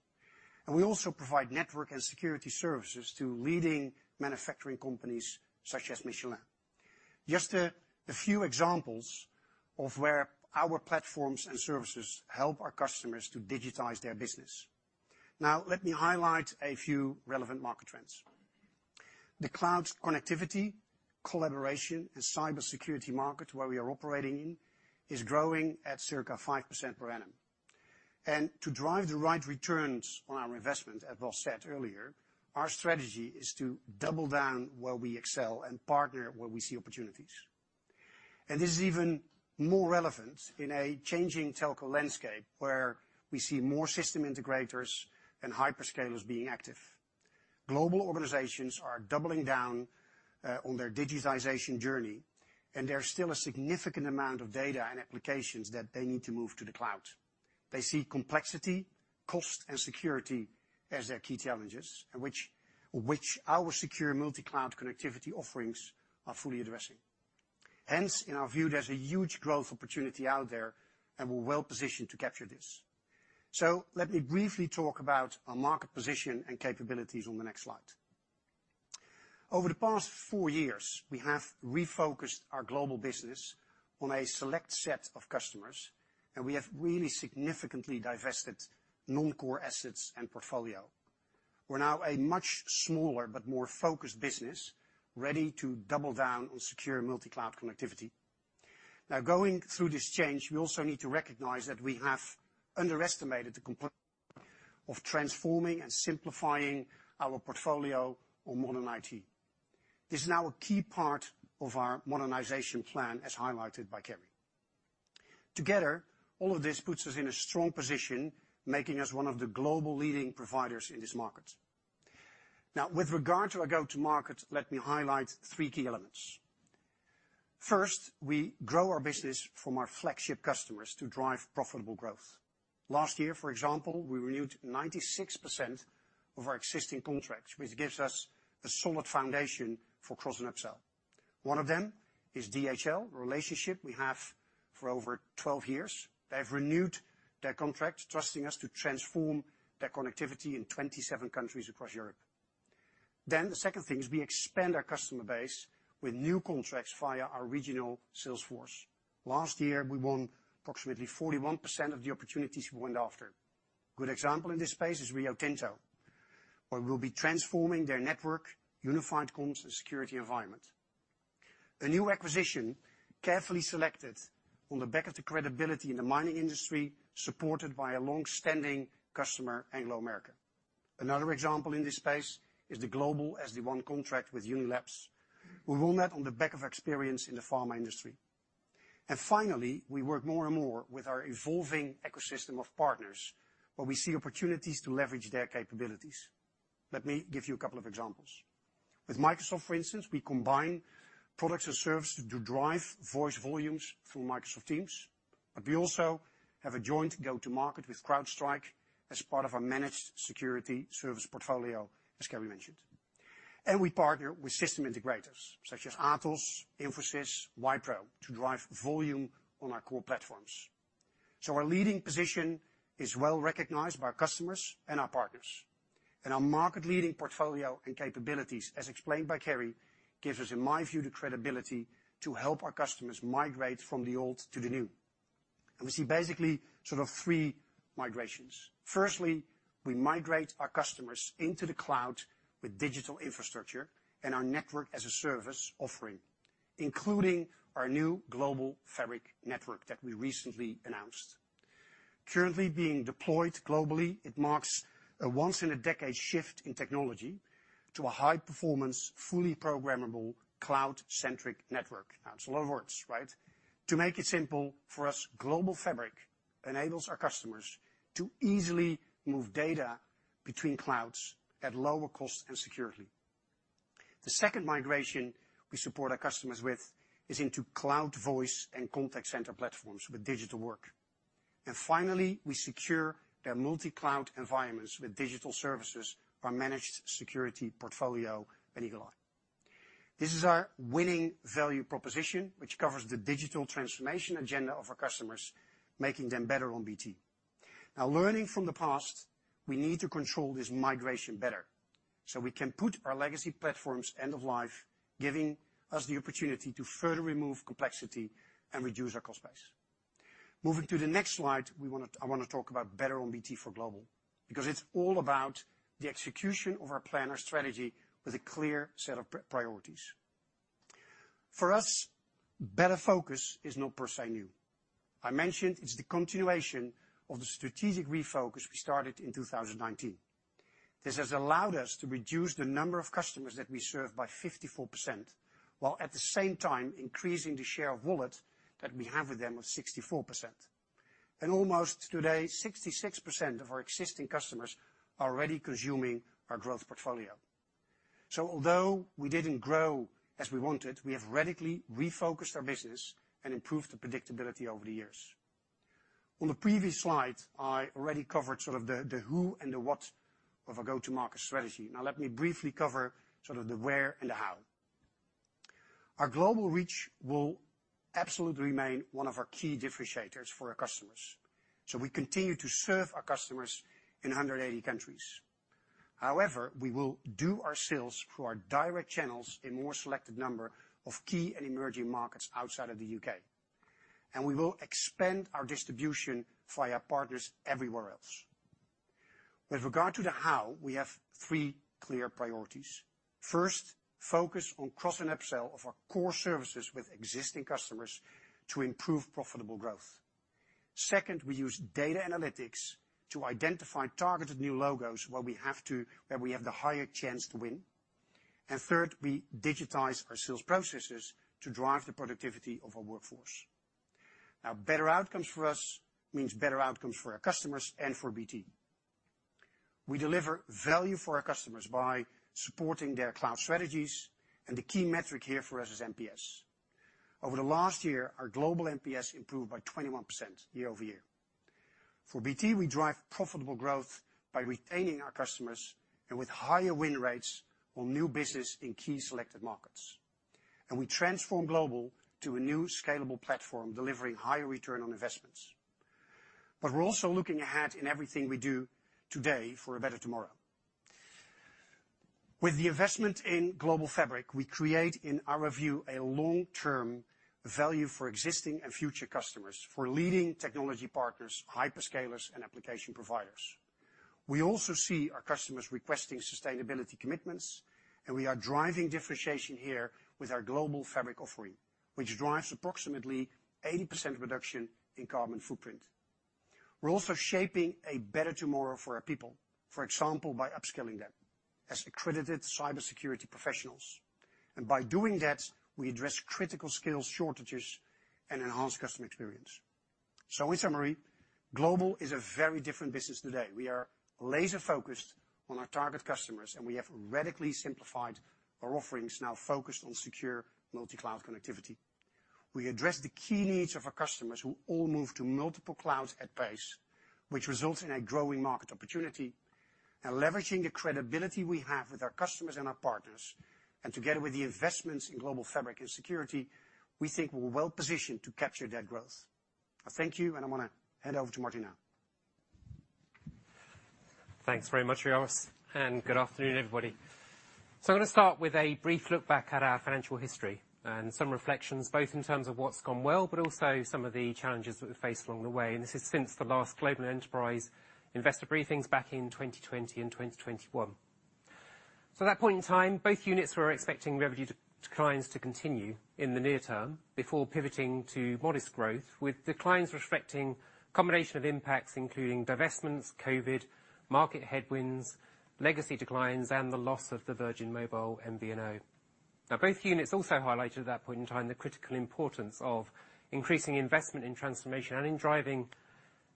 We also provide network and security services to leading manufacturing companies such as Michelin. Just a few examples of where our platforms and services help our customers to digitize their business. Now, let me highlight a few relevant market trends. The cloud connectivity, collaboration, and cybersecurity market, where we are operating in, is growing at circa 5% per annum. And to drive the right returns on our investment, as was said earlier, our strategy is to double down where we excel and partner where we see opportunities. And this is even more relevant in a changing telco landscape, where we see more system integrators and hyperscalers being active. Global organizations are doubling down on their digitization journey, and there's still a significant amount of data and applications that they need to move to the cloud. They see complexity, cost, and security as their key challenges, and which our secure multi-cloud connectivity offerings are fully addressing. Hence, in our view, there's a huge growth opportunity out there, and we're well-positioned to capture this. So let me briefly talk about our market position and capabilities on the next slide. Over the past four years, we have refocused our global business on a select set of customers, and we have really significantly divested non-core assets and portfolio. We're now a much smaller but more focused business, ready to double down on secure multi-cloud connectivity. Now, going through this change, we also need to recognize that we have underestimated the complexity of transforming and simplifying our portfolio on modern IT. This is now a key part of our modernization plan, as highlighted by Kerry. Together, all of this puts us in a strong position, making us one of the global leading providers in this market. Now, with regard to our go-to market, let me highlight three key elements. First, we grow our business from our flagship customers to drive profitable growth. Last year, for example, we renewed 96% of our existing contracts, which gives us a solid foundation for cross and upsell. One of them is DHL, a relationship we have for over 12 years. They have renewed their contract, trusting us to transform their connectivity in 27 countries across Europe. Then the second thing is we expand our customer base with new contracts via our regional sales force. Last year, we won approximately 41% of the opportunities we went after. Good example in this space is Rio Tinto, where we'll be transforming their network, unified comms, and security environment. A new acquisition, carefully selected on the back of the credibility in the mining industry, supported by a long-standing customer, Anglo American. Another example in this space is the Global SD-WAN contract with Unilabs. We won that on the back of experience in the pharma industry. Finally, we work more and more with our evolving ecosystem of partners, where we see opportunities to leverage their capabilities. Let me give you a couple of examples. With Microsoft, for instance, we combine products and services to drive voice volumes through Microsoft Teams, but we also have a joint go-to-market with CrowdStrike as part of our managed security service portfolio, as Kerry mentioned. We partner with system integrators such as Atos, Infosys, Wipro, to drive volume on our core platforms. Our leading position is well recognized by our customers and our partners, and our market-leading portfolio and capabilities, as explained by Kerry, gives us, in my view, the credibility to help our customers migrate from the old to the new. We see basically sort of three migrations. Firstly, we migrate our customers into the cloud with digital infrastructure and our network as a service offering, including our new Global Fabric network that we recently announced. Currently being deployed globally, it marks a once-in-a-decade shift in technology to a high-performance, fully programmable, cloud-centric network. Now, it's a lot of words, right? To make it simple, for us, Global Fabric enables our customers to easily move data between clouds at lower cost and securely. The second migration we support our customers with is into cloud voice and contact center platforms with digital work. And finally, we secure their multi-cloud environments with digital services, our managed security portfolio, and Eagle-i. This is our winning value proposition, which covers the digital transformation agenda of our customers, making them better on BT. Now, learning from the past, we need to control this migration better so we can put our legacy platforms end of life, giving us the opportunity to further remove complexity and reduce our cost base. Moving to the next slide, we wanna, I want to talk about Better on BT for Global, because it's all about the execution of our plan, our strategy, with a clear set of priorities. For us, better focus is not per se new. I mentioned it's the continuation of the strategic refocus we started in 2019. This has allowed us to reduce the number of customers that we serve by 54%, while at the same time increasing the share of wallet that we have with them of 64%. Almost today, 66% of our existing customers are already consuming our growth portfolio. So although we didn't grow as we wanted, we have radically refocused our business and improved the predictability over the years. On the previous slide, I already covered sort of the who and the what of our go-to-market strategy. Now let me briefly cover sort of the where and the how. Our global reach will absolutely remain one of our key differentiators for our customers, so we continue to serve our customers in 180 countries. However, we will do our sales through our direct channels in more selected number of key and emerging markets outside of the U.K., and we will expand our distribution via partners everywhere else. With regard to the how, we have three clear priorities. First, focus on cross and upsell of our core services with existing customers to improve profitable growth. Second, we use data analytics to identify targeted new logos where we have the higher chance to win. And third, we digitize our sales processes to drive the productivity of our workforce. Now, better outcomes for us means better outcomes for our customers and for BT. We deliver value for our customers by supporting their cloud strategies, and the key metric here for us is NPS. Over the last year, our global NPS improved by 21% year-over-year. For BT, we drive profitable growth by retaining our customers and with higher win rates on new business in key selected markets. And we transform global to a new scalable platform, delivering higher return on investments. But we're also looking ahead in everything we do today for a better tomorrow. With the investment in Global Fabric, we create, in our view, a long-term value for existing and future customers, for leading technology partners, hyperscalers, and application providers. We also see our customers requesting sustainability commitments, and we are driving differentiation here with our Global Fabric offering, which drives approximately 80% reduction in carbon footprint. We're also shaping a better tomorrow for our people, for example, by upskilling them as accredited cybersecurity professionals. And by doing that, we address critical skills shortages and enhance customer experience. So in summary, Global is a very different business today. We are laser-focused on our target customers, and we have radically simplified our offerings, now focused on secure multi-cloud connectivity. We address the key needs of our customers, who all move to multiple clouds at pace, which results in a growing market opportunity. Leveraging the credibility we have with our customers and our partners, and together with the investments in Global Fabric and security, we think we're well positioned to capture that growth. I thank you, and I'm gonna hand over to Martin now. Thanks very much, Joris, and good afternoon, everybody. So I'm gonna start with a brief look back at our financial history and some reflections, both in terms of what's gone well, but also some of the challenges that we faced along the way. And this is since the last Global Enterprise Investor briefings back in 2020 and 2021. So at that point in time, both units were expecting revenue declines to continue in the near term, before pivoting to modest growth, with declines reflecting a combination of impacts, including divestments, COVID, market headwinds, legacy declines, and the loss of the Virgin Mobile MVNO. Now, both units also highlighted at that point in time the critical importance of increasing investment in transformation and in driving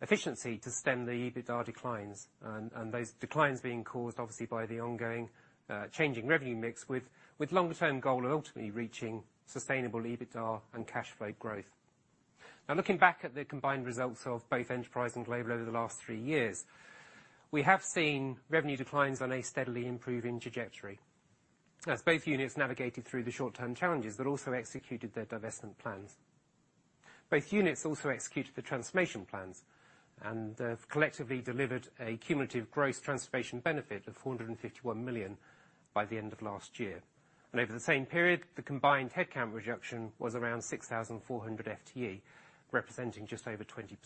efficiency to stem the EBITDA declines, and those declines being caused obviously by the ongoing changing revenue mix, with longer-term goal of ultimately reaching sustainable EBITDA and cash flow growth. Now, looking back at the combined results of both Enterprise and Global over the last three years, we have seen revenue declines on a steadily improving trajectory. As both units navigated through the short-term challenges, but also executed their divestment plans. Both units also executed the transformation plans and collectively delivered a cumulative gross transformation benefit of 451 million by the end of last year. Over the same period, the combined headcount reduction was around 6,400 FTE, representing just over 20%.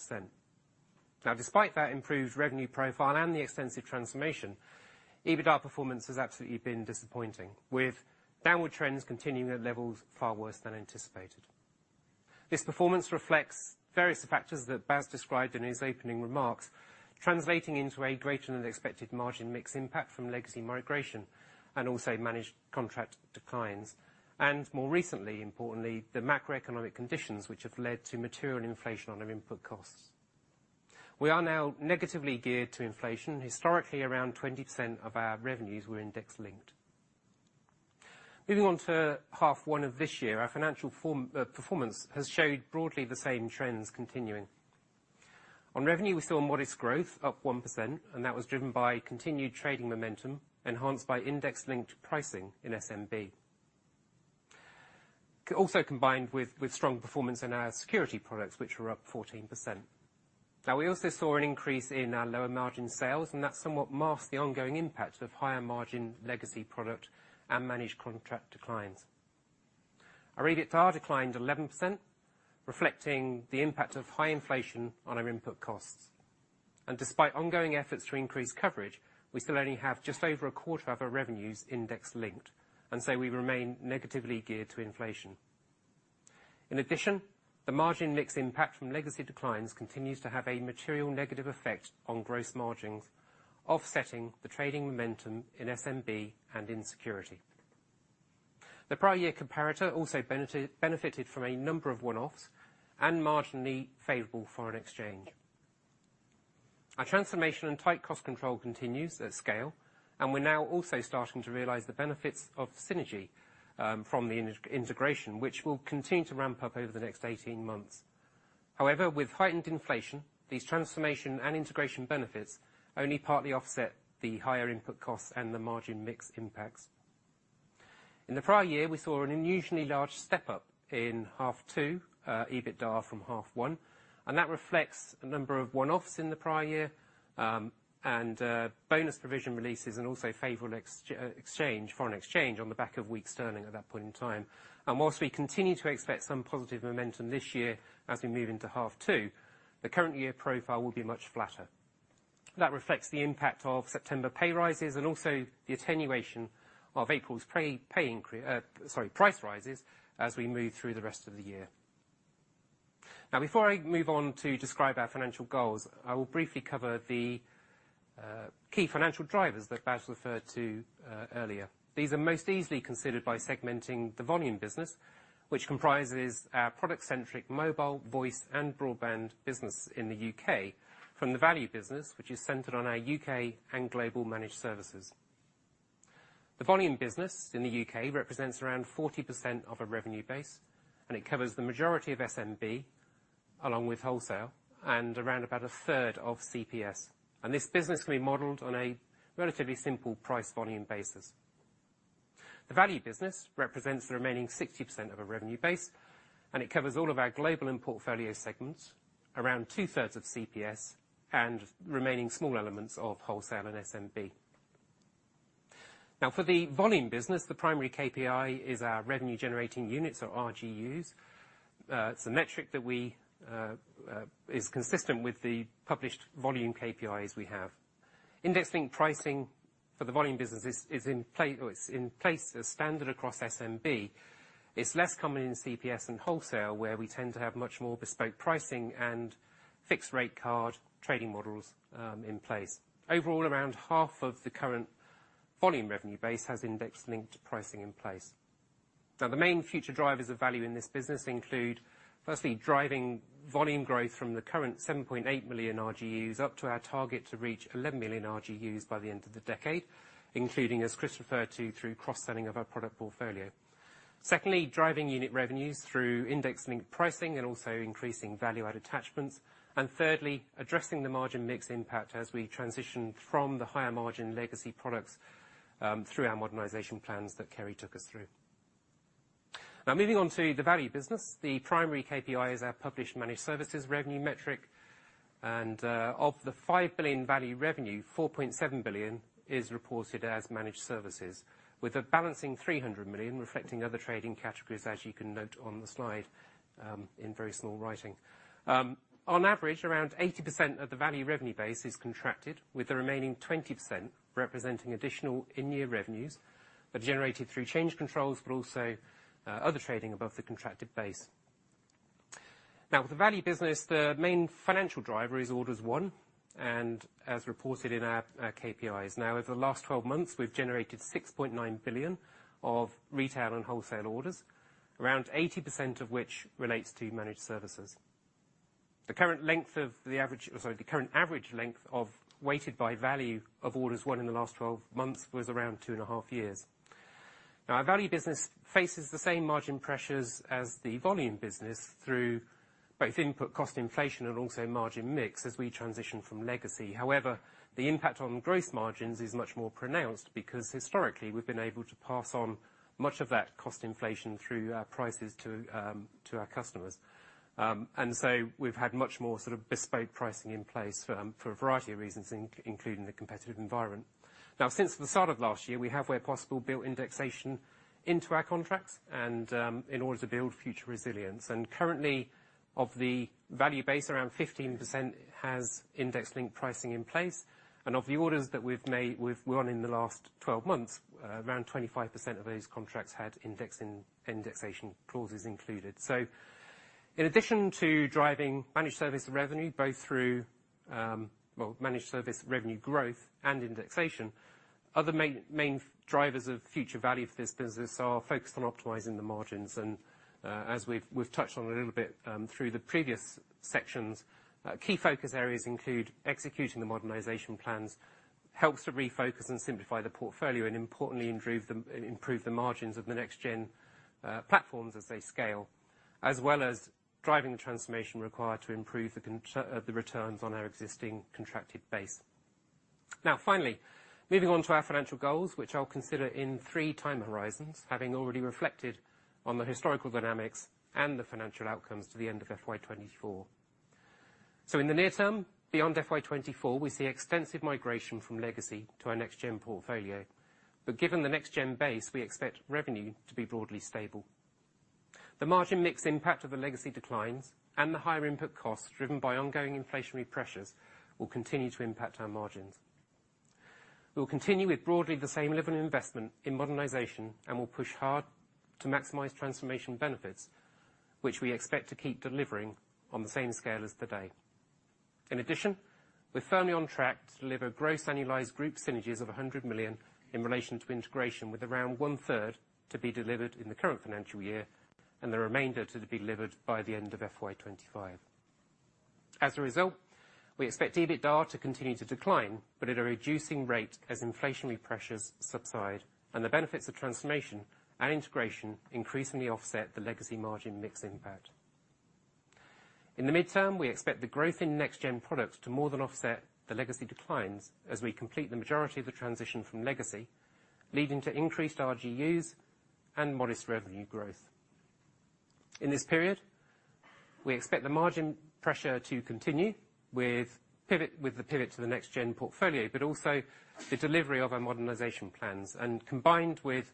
Now, despite that improved revenue profile and the extensive transformation, EBITDA performance has absolutely been disappointing, with downward trends continuing at levels far worse than anticipated. This performance reflects various factors that Bas described in his opening remarks, translating into a greater-than-expected margin mix impact from legacy migration, and also managed contract declines, and more recently, importantly, the macroeconomic conditions, which have led to material inflation on our input costs. We are now negatively geared to inflation. Historically, around 20% of our revenues were index-linked. Moving on to half one of this year, our financial form, performance has showed broadly the same trends continuing. On revenue, we saw modest growth up 1%, and that was driven by continued trading momentum, enhanced by index-linked pricing in SMB. Also combined with strong performance in our security products, which were up 14%. Now, we also saw an increase in our lower-margin sales, and that somewhat masked the ongoing impact of higher-margin legacy product and managed contract declines. Our EBITDA declined 11%, reflecting the impact of high inflation on our input costs. Despite ongoing efforts to increase coverage, we still only have just over a quarter of our revenues index linked, and so we remain negatively geared to inflation. In addition, the margin mix impact from legacy declines continues to have a material negative effect on gross margins, offsetting the trading momentum in SMB and in security. The prior year comparator also benefited from a number of one-offs and marginally favorable foreign exchange. Our transformation and tight cost control continues at scale, and we're now also starting to realize the benefits of synergy from the integration, which will continue to ramp up over the next 18 months. However, with heightened inflation, these transformation and integration benefits only partly offset the higher input costs and the margin mix impacts. In the prior year, we saw an unusually large step-up in half two, EBITDA from half one, and that reflects a number of one-offs in the prior year, and, bonus provision releases, and also favorable exchange, foreign exchange, on the back of weak sterling at that point in time. And while we continue to expect some positive momentum this year, as we move into half two, the current year profile will be much flatter. That reflects the impact of September pay rises and also the attenuation of April's pay increase, price rises, as we move through the rest of the year. Now, before I move on to describe our financial goals, I will briefly cover the key financial drivers that Bas referred to earlier. These are most easily considered by segmenting the volume business, which comprises our product-centric mobile, voice, and broadband business in the U.K., from the value business, which is centered on our U.K. and global managed services. The volume business in the U.K. represents around 40% of our revenue base, and it covers the majority of SMB, along with Wholesale, and around about a third of CPS. This business can be modeled on a relatively simple price volume basis. The value business represents the remaining 60% of our revenue base, and it covers all of our global and portfolio segments, around two-thirds of CPS, and remaining small elements of Wholesale and SMB. Now, for the volume business, the primary KPI is our revenue generating units, or RGUs. It's a metric that we is consistent with the published volume KPIs we have. Indexing pricing for the volume business is in place as standard across SMB. It's less common in CPS and Wholesale, where we tend to have much more bespoke pricing and fixed-rate card trading models in place. Overall, around half of the current volume revenue base has index-linked pricing in place. Now, the main future drivers of value in this business include, firstly, driving volume growth from the current 7.8 million RGUs up to our target to reach 11 million RGUs by the end of the decade, including, as Chris referred to, through cross-selling of our product portfolio. Secondly, driving unit revenues through index-linked pricing and also increasing value-added attachments. And thirdly, addressing the margin mix impact as we transition from the higher margin legacy products through our modernization plans that Kerry took us through. Now, moving on to the value business. The primary KPI is our published managed services revenue metric. And of the 5 billion value revenue, 4.7 billion is reported as managed services, with a balancing 300 million reflecting other trading categories, as you can note on the slide in very small writing. On average, around 80% of the value revenue base is contracted, with the remaining 20% representing additional in-year revenues that are generated through change controls, but also other trading above the contracted base. Now, with the value business, the main financial driver is Orders Won, and as reported in our KPIs. Now, over the last 12 months, we've generated 6.9 billion of Retail and Wholesale orders, around 80% of which relates to managed services. The current length of the average or sorry, the current average length of weighted by value of Orders Won in the last 12 months was around 2.5 years. Now, our value business faces the same margin pressures as the volume business through both input cost inflation and also margin mix as we transition from legacy. However, the impact on gross margins is much more pronounced, because historically, we've been able to pass on much of that cost inflation through our prices to our customers. And so we've had much more sort of bespoke pricing in place for a variety of reasons, including the competitive environment. Now, since the start of last year, we have, where possible, built indexation into our contracts and in order to build future resilience. And currently, of the value base, around 15% has index-linked pricing in place. And of the orders that we've made, we've won in the last 12 months, around 25% of those contracts had indexing, indexation clauses included. So in addition to driving managed service revenue, both through managed service revenue growth and indexation, other main drivers of future value for this business are focused on optimizing the margins. As we've touched on a little bit through the previous sections, key focus areas include executing the modernization plans, helps to refocus and simplify the portfolio, and importantly, improve the margins of the next-gen platforms as they scale, as well as driving the transformation required to improve the returns on our existing contracted base. Now, finally, moving on to our financial goals, which I'll consider in three time horizons, having already reflected on the historical dynamics and the financial outcomes to the end of FY 2024. In the near term, beyond FY 2024, we see extensive migration from legacy to our next-gen portfolio. But given the next-gen base, we expect revenue to be broadly stable. The margin mix impact of the legacy declines and the higher input costs, driven by ongoing inflationary pressures, will continue to impact our margins. We'll continue with broadly the same level of investment in modernization, and we'll push hard to maximize transformation benefits, which we expect to keep delivering on the same scale as today. In addition, we're firmly on track to deliver gross annualized group synergies of 100 million in relation to integration, with around one third to be delivered in the current financial year, and the remainder to be delivered by the end of FY 2025. As a result, we expect EBITDA to continue to decline, but at a reducing rate as inflationary pressures subside and the benefits of transformation and integration increasingly offset the legacy margin mix impact. In the midterm, we expect the growth in next-gen products to more than offset the legacy declines as we complete the majority of the transition from legacy, leading to increased RGUs and modest revenue growth. In this period, we expect the margin pressure to continue with pivot, with the pivot to the next-gen portfolio, but also the delivery of our modernization plans. Combined with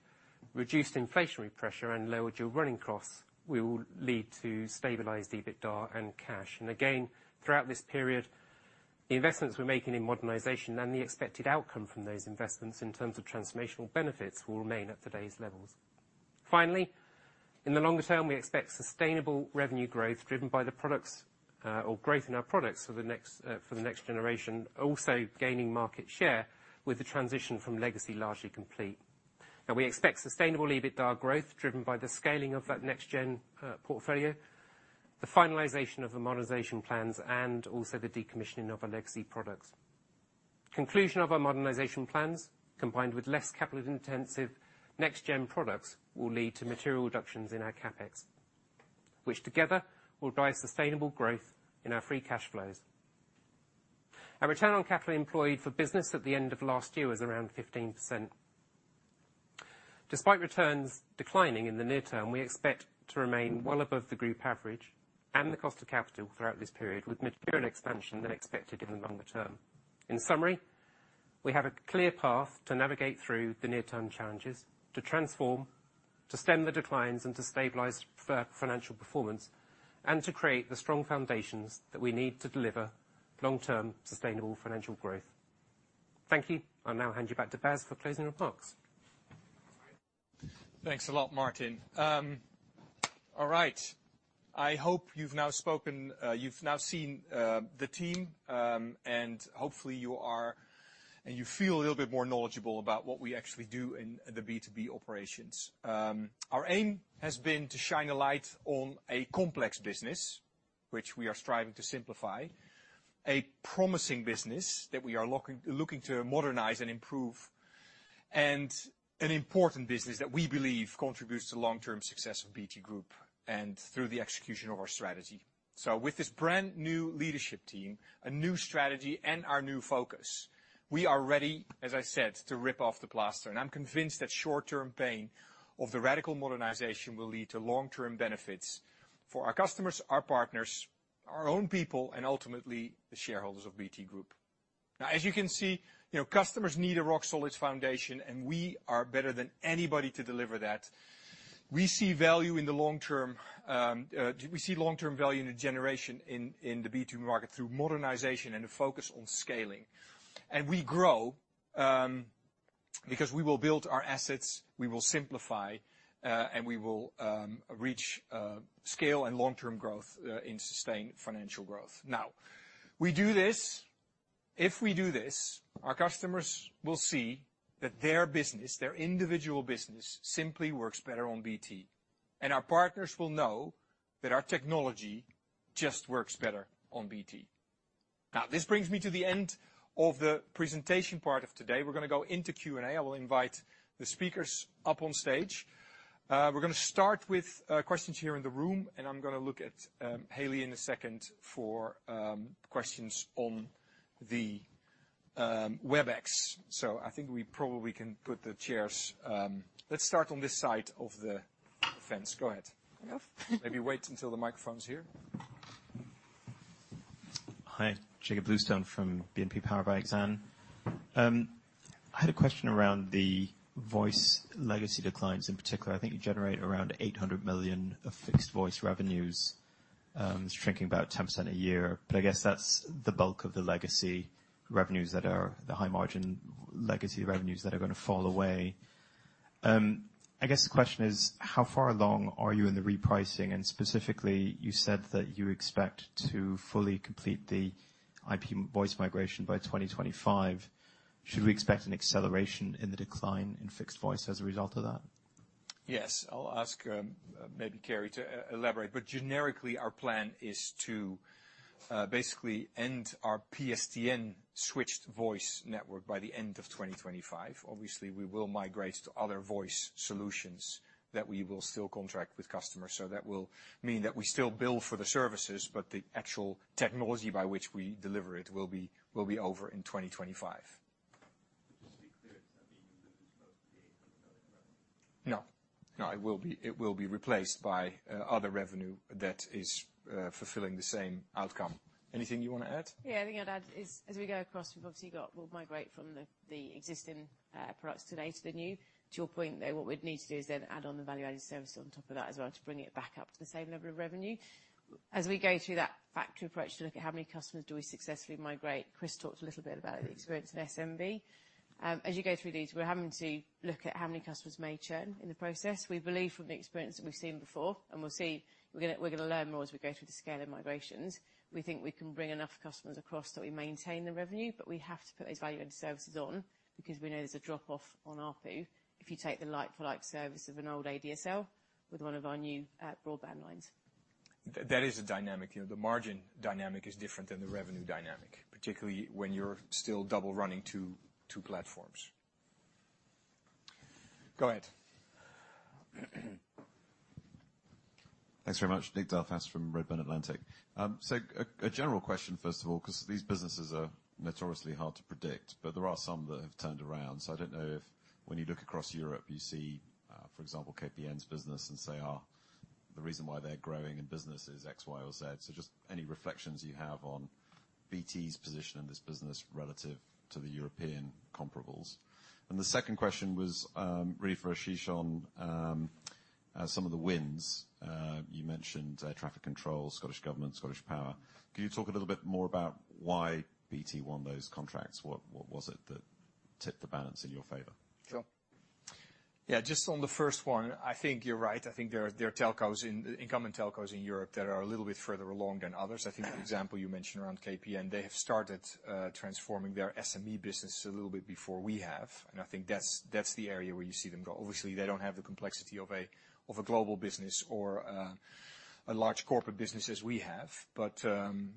reduced inflationary pressure and lower dual running costs, we will lead to stabilized EBITDA and cash. Again, throughout this period, the investments we're making in modernization and the expected outcome from those investments in terms of transformational benefits will remain at today's levels. Finally, in the longer term, we expect sustainable revenue growth driven by the products, or growth in our products for the next, for the next generation, also gaining market share with the transition from legacy largely complete. Now, we expect sustainable EBITDA growth driven by the scaling of that next-gen portfolio, the finalization of the modernization plans, and also the decommissioning of our legacy products. Conclusion of our modernization plans, combined with less capital-intensive next-gen products, will lead to material reductions in our CapEx, which together will drive sustainable growth in our free cash flows. Our return on capital employed for business at the end of last year was around 15%. Despite returns declining in the near term, we expect to remain well above the group average and the cost of capital throughout this period, with material expansion than expected in the longer term. In summary, we have a clear path to navigate through the near-term challenges, to transform, to stem the declines and to stabilize financial performance, and to create the strong foundations that we need to deliver long-term, sustainable financial growth. Thank you. I'll now hand you back to Bas for closing remarks. Thanks a lot, Martin. All right. I hope you've now spoken. You've now seen the team, and hopefully, you are, and you feel a little bit more knowledgeable about what we actually do in the B2B operations. Our aim has been to shine a light on a complex business, which we are striving to simplify, a promising business that we are looking to modernize and improve, and an important business that we believe contributes to long-term success of BT Group and through the execution of our strategy. So with this brand-new leadership team, a new strategy, and our new focus, we are ready, as I said, to rip off the plaster. And I'm convinced that short-term pain of the radical modernization will lead to long-term benefits for our customers, our partners, our own people, and ultimately, the shareholders of BT Group. Now, as you can see, you know, customers need a rock-solid foundation, and we are better than anybody to deliver that. We see value in the long term, we see long-term value in the generation in the B2B market through modernization and a focus on scaling. And we grow, because we will build our assets, we will simplify, and we will, reach, scale and long-term growth, in sustained financial growth. Now, we do this. If we do this, our customers will see that their business, their individual business, simply works better on BT, and our partners will know that our technology just works better on BT. Now, this brings me to the end of the presentation part of today. We're gonna go into Q&A. I will invite the speakers up on stage. We're gonna start with questions here in the room, and I'm gonna look at Hayley in a second for questions on the Webex. So I think we probably can put the chairs. Let's start on this side of the fence. Go ahead. Can I go? Maybe wait until the microphone's here. Hi, Jakob Bluestone from BNP Paribas Exane. I had a question around the voice legacy declines. In particular, I think you generate around 800 million of fixed voice revenues, shrinking about 10% a year, but I guess that's the bulk of the legacy revenues that are the high-margin legacy revenues that are gonna fall away. I guess the question is: How far along are you in the repricing? And specifically, you said that you expect to fully complete the IP voice migration by 2025. Should we expect an acceleration in the decline in fixed voice as a result of that? Yes. I'll ask maybe Kerry to elaborate, but generically, our plan is to basically end our PSTN switched voice network by the end of 2025. Obviously, we will migrate to other voice solutions that we will still contract with customers. So that will mean that we still bill for the services, but the actual technology by which we deliver it will be over in 2025. Just to be clear, does that mean you lose both the revenue? No. No, it will be, it will be replaced by other revenue that is fulfilling the same outcome. Anything you want to add? Yeah, I think I'd add, as we go across, we've obviously got—we'll migrate from the existing products today to the new. To your point, though, what we'd need to do is then add on the value-added service on top of that as well to bring it back up to the same level of revenue. As we go through that factory approach to look at how many customers do we successfully migrate, Chris talked a little bit about the experience in SMB. As you go through these, we're having to look at how many customers may churn in the process. We believe from the experience that we've seen before, and we'll see, we're gonna learn more as we go through the scale of migrations. We think we can bring enough customers across that we maintain the revenue, but we have to put those value-added services on because we know there's a drop-off on ARPU if you take the like-for-like service of an old ADSL with one of our new, broadband lines. That is a dynamic. You know, the margin dynamic is different than the revenue dynamic, particularly when you're still double running two platforms. Go ahead. Thanks very much. Nick Delfas from Redburn Atlantic. So a general question, first of all, 'cause these businesses are notoriously hard to predict, but there are some that have turned around. So I don't know if when you look across Europe, you see, for example, KPN's business and say, oh, the reason why they're growing in business is X, Y, or Z. So just any reflections you have on BT's position in this business relative to the European comparables. And the second question was, really for Ashish on some of the wins. You mentioned traffic control, Scottish Government, ScottishPower. Can you talk a little bit more about why BT won those contracts? What was it that tipped the balance in your favor? Sure. Yeah, just on the first one, I think you're right. I think there are, there are telcos in incumbent telcos in Europe that are a little bit further along than others. I think the example you mentioned around KPN, they have started transforming their SME business a little bit before we have, and I think that's, that's the area where you see them go. Obviously, they don't have the complexity of a global business or a large corporate business as we have. But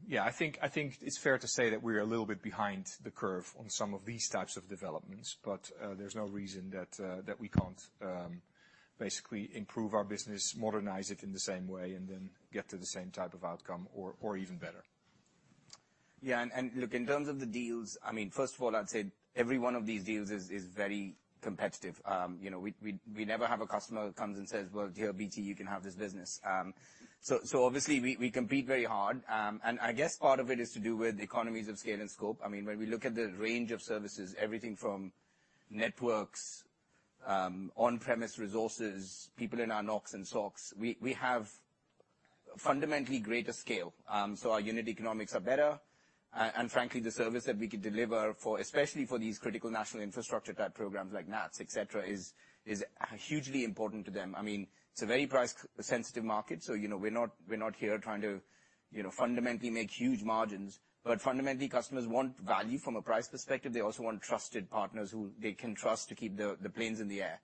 yeah, I think, I think it's fair to say that we're a little bit behind the curve on some of these types of developments, but there's no reason that that we can't basically improve our business, modernize it in the same way, and then get to the same type of outcome or even better. Yeah, and look, in terms of the deals, I mean, first of all, I'd say every one of these deals is very competitive. You know, we never have a customer that comes and says: "Well, dear BT, you can have this business." So obviously, we compete very hard. And I guess part of it is to do with economies of scale and scope. I mean, when we look at the range of services, everything from networks, on-premise resources, people in our NOCs and SOCs, we have fundamentally greater scale. So our unit economics are better, and frankly, the service that we can deliver for, especially for these critical national infrastructure type programs, like NATS, et cetera, is hugely important to them. I mean, it's a very price-sensitive market, so, you know, we're not here trying to, you know, fundamentally make huge margins. But fundamentally, customers want value from a price perspective. They also want trusted partners who they can trust to keep the planes in the air.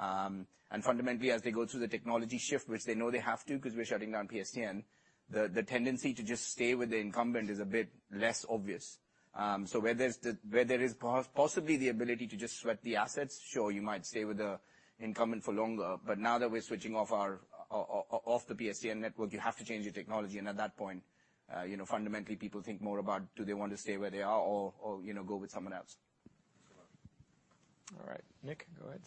And fundamentally, as they go through the technology shift, which they know they have to, 'cause we're shutting down PSTN, the tendency to just stay with the incumbent is a bit less obvious. So where there is possibly the ability to just sweat the assets, sure, you might stay with the incumbent for longer. But now that we're switching off the PSTN network, you have to change your technology, and at that point, you know, fundamentally, people think more about do they want to stay where they are or, you know, go with someone else. All right, Nick, go ahead.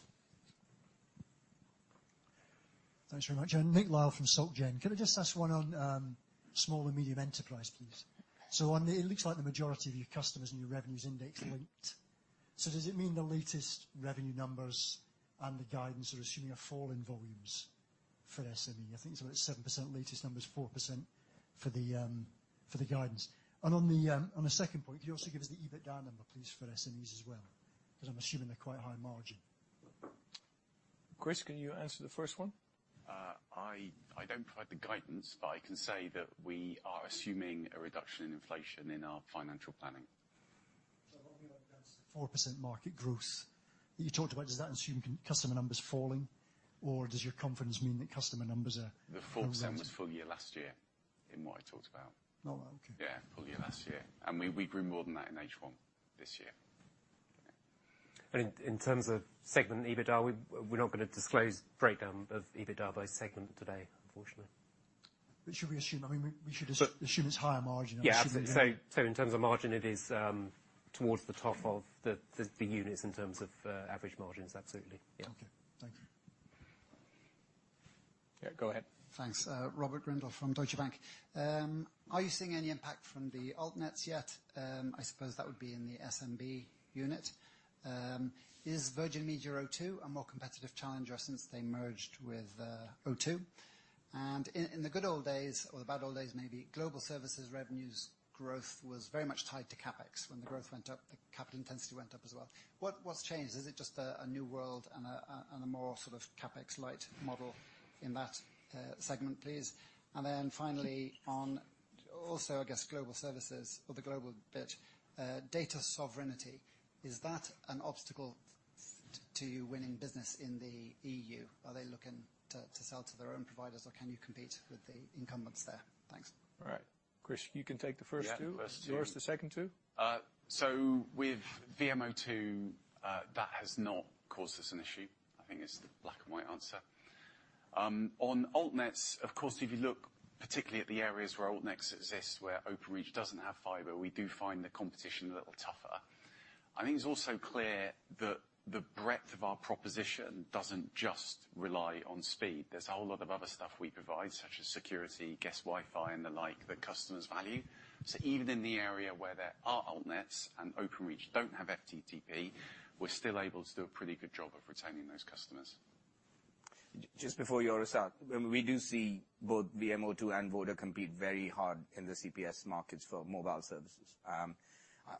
Thanks very much. Nick Lyle from SocGen. Can I just ask one on small and medium enterprise, please? So on, it looks like the majority of your customers and your revenues index linked. So does it mean the latest revenue numbers and the guidance are assuming a fall in volumes for SME? I think it's about 7%, latest number is 4% for the guidance. And on the second point, can you also give us the EBITDA number, please, for SMEs as well? 'Cause I'm assuming they're quite high margin. Chris, can you answer the first one? I don't provide the guidance, but I can say that we are assuming a reduction in inflation in our financial planning. So what we want is the 4% market growth. You talked about, does that assume customer numbers falling, or does your confidence mean that customer numbers are-- The 4% was full year last year in what I talked about. Oh, well, okay. Yeah, full year last year. And we grew more than that in H1 this year. In terms of segment EBITDA, we're not gonna disclose breakdown of EBITDA by segment today, unfortunately. But should we assume, I mean, we should assume it's higher margin? Yeah, absolutely. So in terms of margin, it is towards the top of the units in terms of average margins. Absolutely, yeah. Okay. Thank you. Yeah, go ahead. Thanks. Robert Grindle from Deutsche Bank. Are you seeing any impact from the altnets yet? I suppose that would be in the SMB unit. Is Virgin Media O2 a more competitive challenger since they merged with O2? And in the good old days, or the bad old days, maybe, global services revenues growth was very much tied to CapEx. When the growth went up, the capital intensity went up as well. What's changed? Is it just a new world and a more sort of CapEx-light model in that segment, please? And then finally, on also, I guess, global services or the global bit, data sovereignty, is that an obstacle to you winning business in the EU? Are they looking to sell to their own providers, or can you compete with the incumbents there? Thanks. All right. Chris, you can take the first two. Yeah, first two. Joris, the second two. So with VMO2, that has not caused us an issue. I think it's the black and white answer. On altnets, of course, if you look particularly at the areas where altnets exist, where Openreach doesn't have fiber, we do find the competition a little tougher. I think it's also clear that the breadth of our proposition doesn't just rely on speed. There's a whole lot of other stuff we provide, such as security, guest Wi-Fi, and the like, that customers value. So even in the area where there are altnets and Openreach don't have FTTP, we're still able to do a pretty good job of retaining those customers. Just before Joris adds, we do see both VMO2 and Vodafone compete very hard in the CPS markets for mobile services.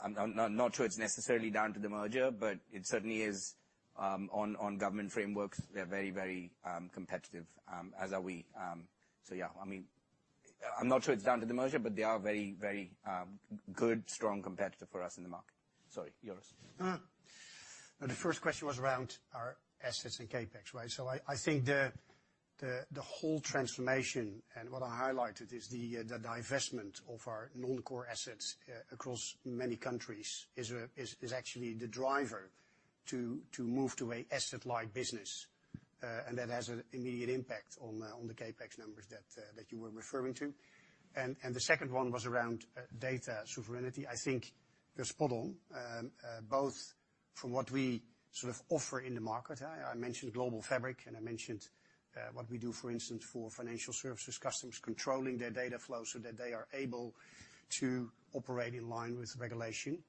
I'm not sure it's necessarily down to the merger, but it certainly is on government frameworks, they're very competitive as are we. So yeah, I mean, I'm not sure it's down to the merger, but they are a very good strong competitor for us in the market. Sorry, Joris. The first question was around our assets and CapEx, right? So I think the whole transformation, and what I highlighted, is the divestment of our non-core assets across many countries, is actually the driver to move to an asset-light business. And that has an immediate impact on the CapEx numbers that you were referring to. And the second one was around data sovereignty. I think you're spot on, both from what we sort of offer in the market. I mentioned Global Fabric, and I mentioned what we do, for instance, for financial services, customers controlling their data flow so that they are able to operate in line with regulation.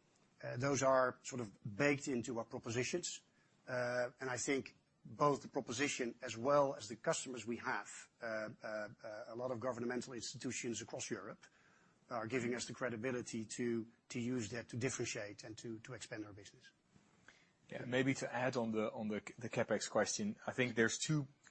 Those are sort of baked into our propositions. I think both the proposition as well as the customers we have, a lot of governmental institutions across Europe, are giving us the credibility to use that to differentiate and to expand our business. Yeah. Maybe to add on the CapEx question, I think there's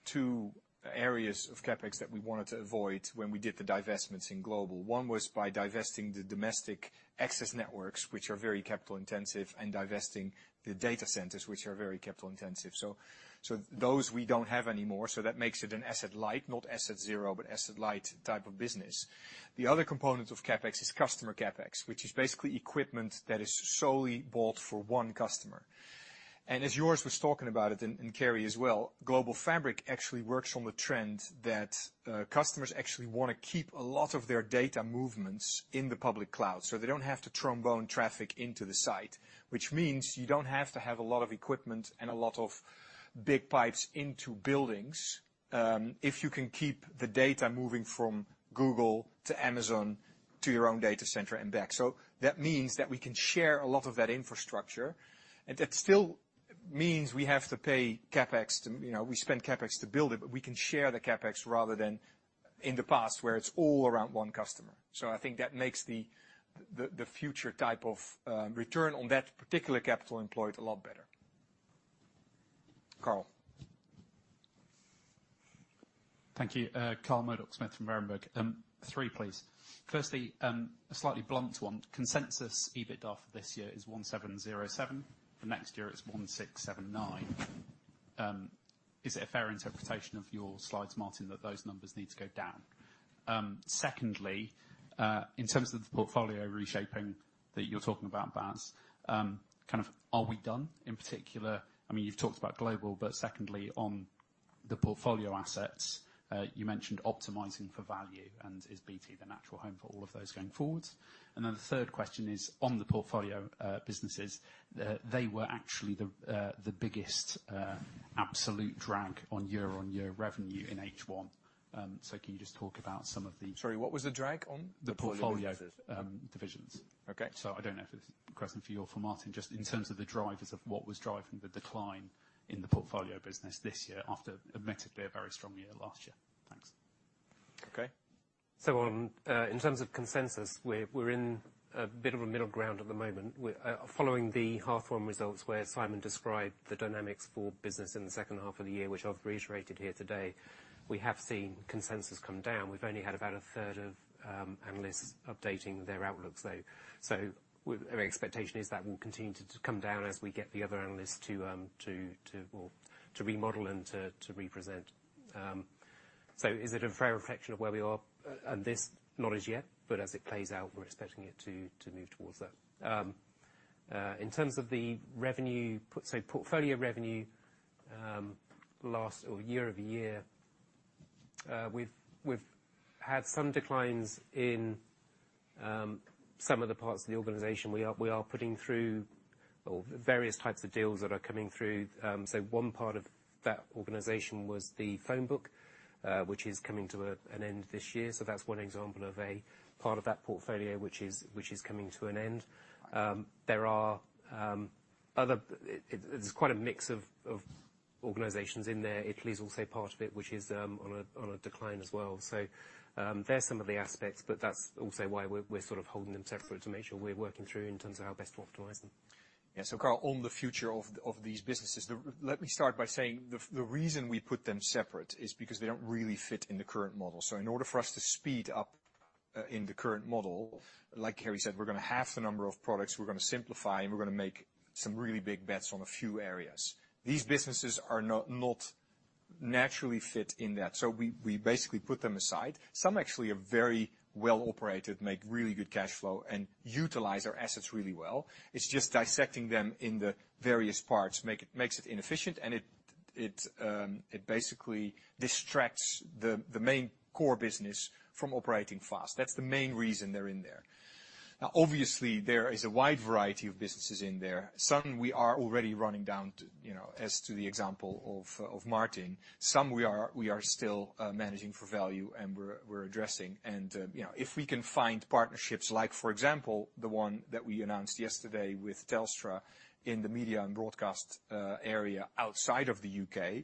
two areas of CapEx that we wanted to avoid when we did the divestments in Global. One was by divesting the domestic access networks, which are very capital intensive, and divesting the data centers, which are very capital intensive. So those we don't have anymore, so that makes it an asset light, not asset zero, but asset light type of business. The other component of CapEx is customer CapEx, which is basically equipment that is solely bought for one customer. As Joris was talking about it, and Kerry as well, Global Fabric actually works on the trend that customers actually wanna keep a lot of their data movements in the public cloud, so they don't have to trombone traffic into the site, which means you don't have to have a lot of equipment and a lot of big pipes into buildings, if you can keep the data moving from Google to Amazon to your own data center and back. So that means that we can share a lot of that infrastructure, and that still means we have to pay CapEx to, you know, we spend CapEx to build it, but we can share the CapEx rather than in the past, where it's all around one customer. I think that makes the future type of return on that particular capital employed a lot better. Carl? Thank you. Carl Murdock-Smith from Berenberg. Three, please. Firstly, a slightly blunt one. Consensus EBITDA for this year is 1,707 million. For next year, it's 1,679 million. Is it a fair interpretation of your slides, Martin, that those numbers need to go down? Secondly, in terms of the portfolio reshaping that you're talking about, Bas, kind of, are we done, in particular? I mean, you've talked about global, but secondly, on the portfolio assets, you mentioned optimizing for value, and is BT the natural home for all of those going forward? And then the third question is on the portfolio businesses, they were actually the biggest absolute drag on year-on-year revenue in H1. So can you just talk about some of the-- Sorry, what was the drag on? The portfolio divisions. Okay. So I don't know if it's a question for you or for Martin, just in terms of the drivers of what was driving the decline in the portfolio business this year after admittedly a very strong year last year. Thanks. Okay. So on in terms of consensus, we're in a bit of a middle ground at the moment. We're following the half one results, where Simon described the dynamics for business in the second half of the year, which I've reiterated here today; we have seen consensus come down. We've only had about a third of analysts updating their outlooks, though. So our expectation is that will continue to come down as we get the other analysts to remodel and to represent. So is it a fair reflection of where we are on this? Not as yet, but as it plays out, we're expecting it to move towards that. In terms of the revenue, so portfolio revenue, last year-over-year, we've had some declines in some of the parts of the organization. We are putting through various types of deals that are coming through. So one part of that organization was The Phone Book, which is coming to an end this year. So that's one example of a part of that portfolio, which is coming to an end. There are other-- It's quite a mix of organizations in there. Italy is also part of it, which is on a decline as well. So there are some of the aspects, but that's also why we're sort of holding them separate, to make sure we're working through in terms of how best to optimize them. Yeah, so, Carl, on the future of these businesses, let me start by saying, the reason we put them separate is because they don't really fit in the current model. So in order for us to speed up in the current model, like Kerry said, we're gonna halve the number of products, we're gonna simplify, and we're gonna make some really big bets on a few areas. These businesses are not naturally fit in that, so we basically put them aside. Some actually are very well operated, make really good cash flow, and utilize our assets really well. It's just dissecting them in the various parts makes it inefficient, and it basically distracts the main core business from operating fast. That's the main reason they're in there. Now, obviously, there is a wide variety of businesses in there. Some we are already running down to, you know, as to the example of Martin. Some we are still managing for value, and we're addressing. You know, if we can find partnerships, like, for example, the one that we announced yesterday with Telstra in the media and broadcast area outside of the U.K.,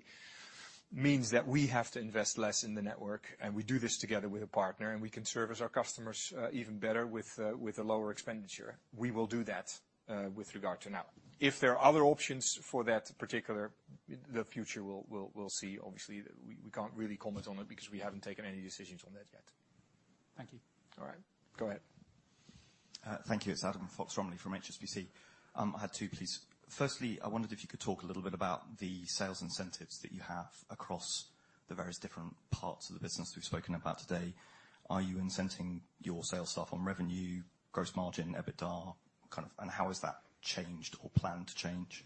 means that we have to invest less in the network, and we do this together with a partner, and we can service our customers even better with a lower expenditure. We will do that with regard to now. If there are other options for that particular, the future we'll see. Obviously, we can't really comment on it because we haven't taken any decisions on that yet. Thank you. All right, go ahead. Thank you. It's Adam Fox-Rumley from HSBC. I had two, please. Firstly, I wondered if you could talk a little bit about the sales incentives that you have across the various different parts of the business we've spoken about today. Are you incenting your sales staff on revenue, gross margin, EBITDA, kind of, and how has that changed or planned to change?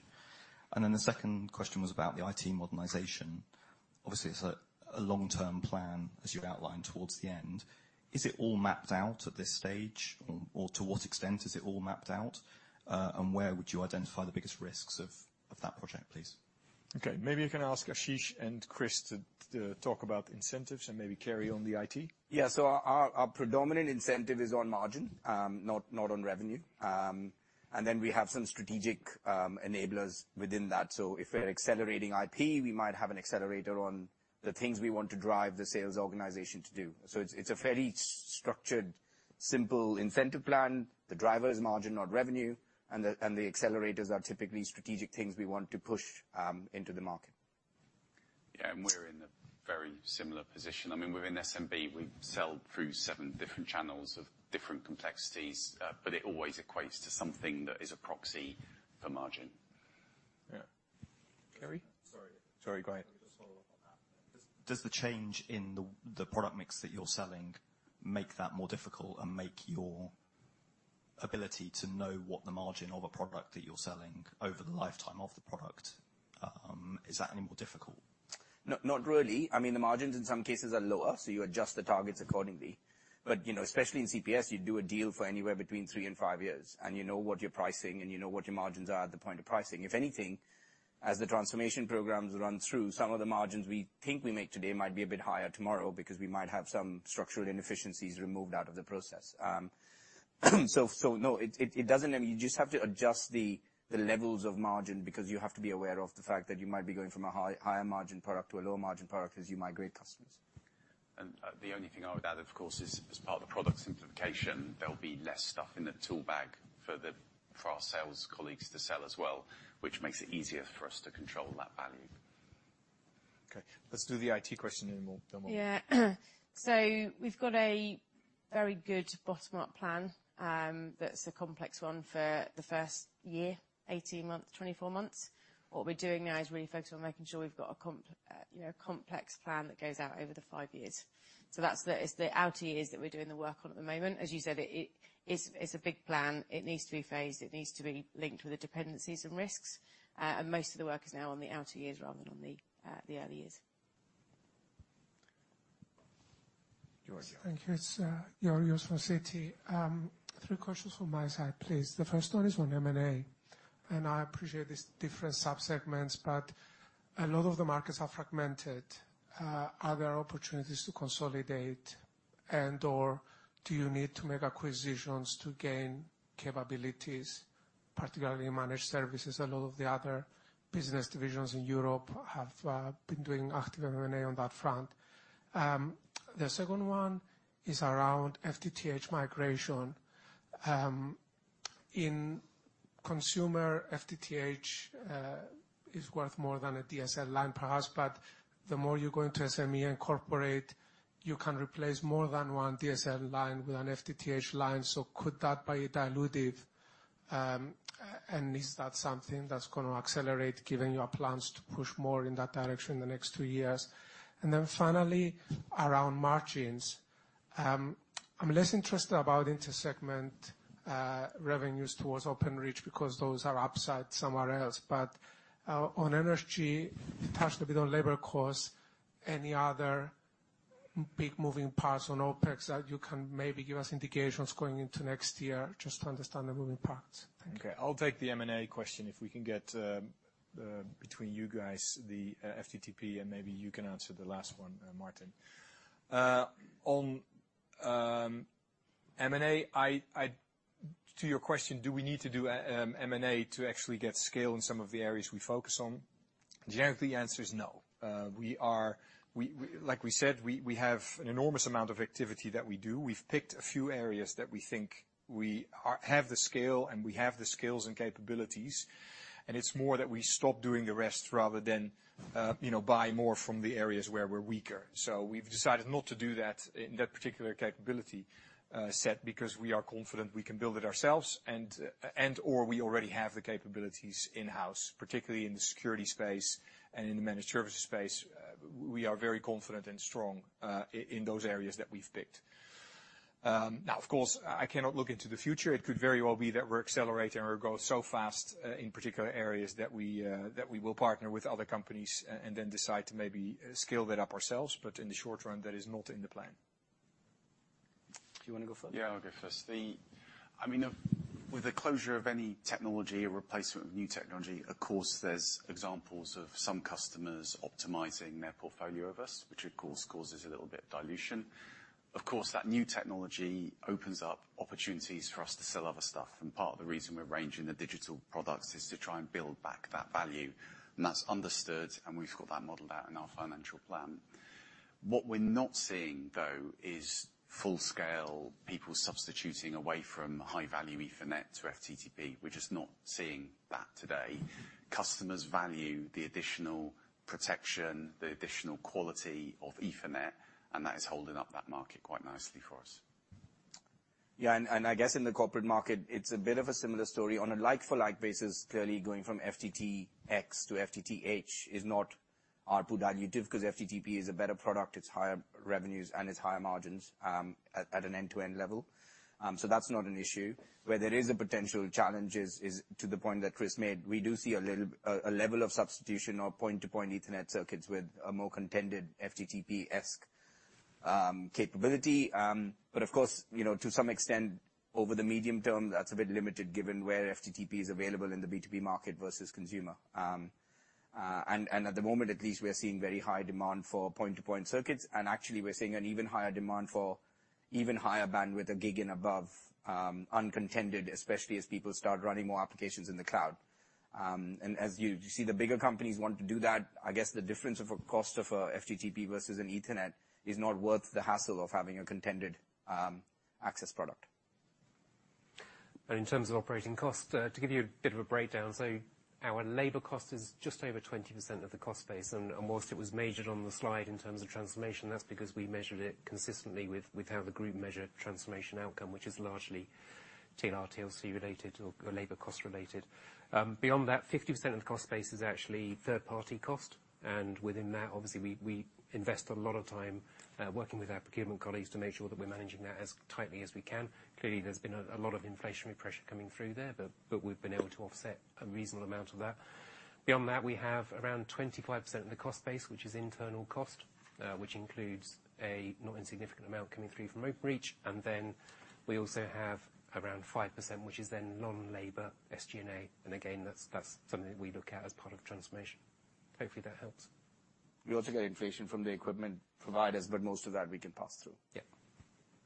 And then the second question was about the IT modernization. Obviously, it's a long-term plan, as you outlined towards the end. Is it all mapped out at this stage, or to what extent is it all mapped out, and where would you identify the biggest risks of that project, please? Okay, maybe you can ask Ashish and Chris to talk about incentives and maybe Kerry on the IT. Yeah, so our predominant incentive is on margin, not on revenue. And then we have some strategic enablers within that. So if we're accelerating IP, we might have an accelerator on the things we want to drive the sales organization to do. So it's a fairly structured, simple incentive plan. The driver is margin, not revenue, and the accelerators are typically strategic things we want to push into the market. Yeah, and we're in a very similar position. I mean, we're in SMB. We sell through seven different channels of different complexities, but it always equates to something that is a proxy for margin. Yeah. Kerry? Sorry. Sorry, go ahead. Let me just follow up on that. Does the change in the product mix that you're selling make that more difficult and make your ability to know what the margin of a product that you're selling over the lifetime of the product is that any more difficult? No, not really. I mean, the margins in some cases are lower, so you adjust the targets accordingly. But, you know, especially in CPS, you do a deal for anywhere between 3 and 5 years, and you know what you're pricing, and you know what your margins are at the point of pricing. If anything, as the transformation programs run through, some of the margins we think we make today might be a bit higher tomorrow, because we might have some structural inefficiencies removed out of the process. So, no, it doesn't. I mean, you just have to adjust the levels of margin, because you have to be aware of the fact that you might be going from a high, higher margin product to a lower margin product as you migrate customers. The only thing I would add, of course, is as part of the product simplification, there'll be less stuff in the tool bag for our sales colleagues to sell as well, which makes it easier for us to control that value. Okay, let's do the IT question, and then we'll. Yeah. So we've got a very good bottom-up plan, that's a complex one for the first year, 18 months, 24 months. What we're doing now is really focused on making sure we've got a comp, you know, a complex plan that goes out over the five years. So that's the, it's the outer years that we're doing the work on at the moment. As you said, it's a big plan. It needs to be phased. It needs to be linked with the dependencies and risks. And most of the work is now on the outer years rather than on the early years. George? Thank you. It's George from Citi. Three questions from my side, please. The first one is on M&A, and I appreciate these different subsegments, but a lot of the markets are fragmented. Are there opportunities to consolidate, and/or do you need to make acquisitions to gain capabilities, particularly in managed services? A lot of the other business divisions in Europe have been doing active M&A on that front. The second one is around FTTH migration. In consumer, FTTH is worth more than a DSL line, perhaps, but the more you go into SME and corporate, you can replace more than one DSL line with an FTTH line. So could that be dilutive? And is that something that's gonna accelerate, given your plans to push more in that direction in the next two years? And then finally, around margins. I'm less interested about intersegment revenues towards Openreach, because those are upside somewhere else. But on energy, you touched a bit on labor cost. Any other big moving parts on OpEx that you can maybe give us indications going into next year, just to understand the moving parts? Thank you. Okay, I'll take the M&A question, if we can get between you guys the FTTP, and maybe you can answer the last one, Martin. On M&A, I-- to your question, do we need to do M&A to actually get scale in some of the areas we focus on? Generally, the answer is no. We are... We, we-- like we said, we, we have an enormous amount of activity that we do. We've picked a few areas that we think we are, have the scale, and we have the skills and capabilities, and it's more that we stop doing the rest rather than you know buy more from the areas where we're weaker. So we've decided not to do that in that particular capability set, because we are confident we can build it ourselves and and/or we already have the capabilities in-house, particularly in the security space and in the managed services space. We are very confident and strong in those areas that we've picked. Now, of course, I cannot look into the future. It could very well be that we're accelerating our growth so fast in particular areas that we will partner with other companies and then decide to maybe scale that up ourselves, but in the short run, that is not in the plan. Do you wanna go further? Yeah, I'll go first. I mean, with the closure of any technology or replacement of new technology, of course, there's examples of some customers optimizing their portfolio with us, which, of course, causes a little bit of dilution. Of course, that new technology opens up opportunities for us to sell other stuff, and part of the reason we're ranging the digital products is to try and build back that value. And that's understood, and we've got that modeled out in our financial plan. What we're not seeing, though, is full-scale people substituting away from high-value Ethernet to FTTP. We're just not seeing that today. Customers value the additional protection, the additional quality of Ethernet, and that is holding up that market quite nicely for us. Yeah, and I guess in the corporate market, it's a bit of a similar story. On a like-for-like basis, clearly, going from FTTX to FTTH is not output dilutive, because FTTP is a better product, it's higher revenues, and it's higher margins at an end-to-end level. So that's not an issue. Where there is a potential challenge is to the point that Chris made. We do see a little a level of substitution of point-to-point Ethernet circuits with a more contended FTTP-esque capability. But of course, you know, to some extent, over the medium term, that's a bit limited, given where FTTP is available in the B2B market versus consumer. And at the moment, at least, we are seeing very high demand for point-to-point circuits, and actually, we're seeing an even higher demand for even higher bandwidth, a gig and above, uncontended, especially as people start running more applications in the cloud. And as you see the bigger companies want to do that, I guess the difference of a cost of a FTTP versus an Ethernet is not worth the hassle of having a contested access product. In terms of operating costs, to give you a bit of a breakdown, so our labor cost is just over 20% of the cost base. Whilst it was majored on the slide in terms of transformation, that's because we measured it consistently with how the group measured transformation outcome, which is largely TR, TLC related or labor cost related. Beyond that, 50% of the cost base is actually third-party cost, and within that, obviously, we invest a lot of time working with our procurement colleagues to make sure that we're managing that as tightly as we can. Clearly, there's been a lot of inflationary pressure coming through there, but we've been able to offset a reasonable amount of that. Beyond that, we have around 25% of the cost base, which is internal cost, which includes a not insignificant amount coming through from Openreach, and then we also have around 5%, which is then non-labor SG&A, and again, that's, that's something we look at as part of transformation. Hopefully, that helps. We also get inflation from the equipment providers, but most of that we can pass through. Yep.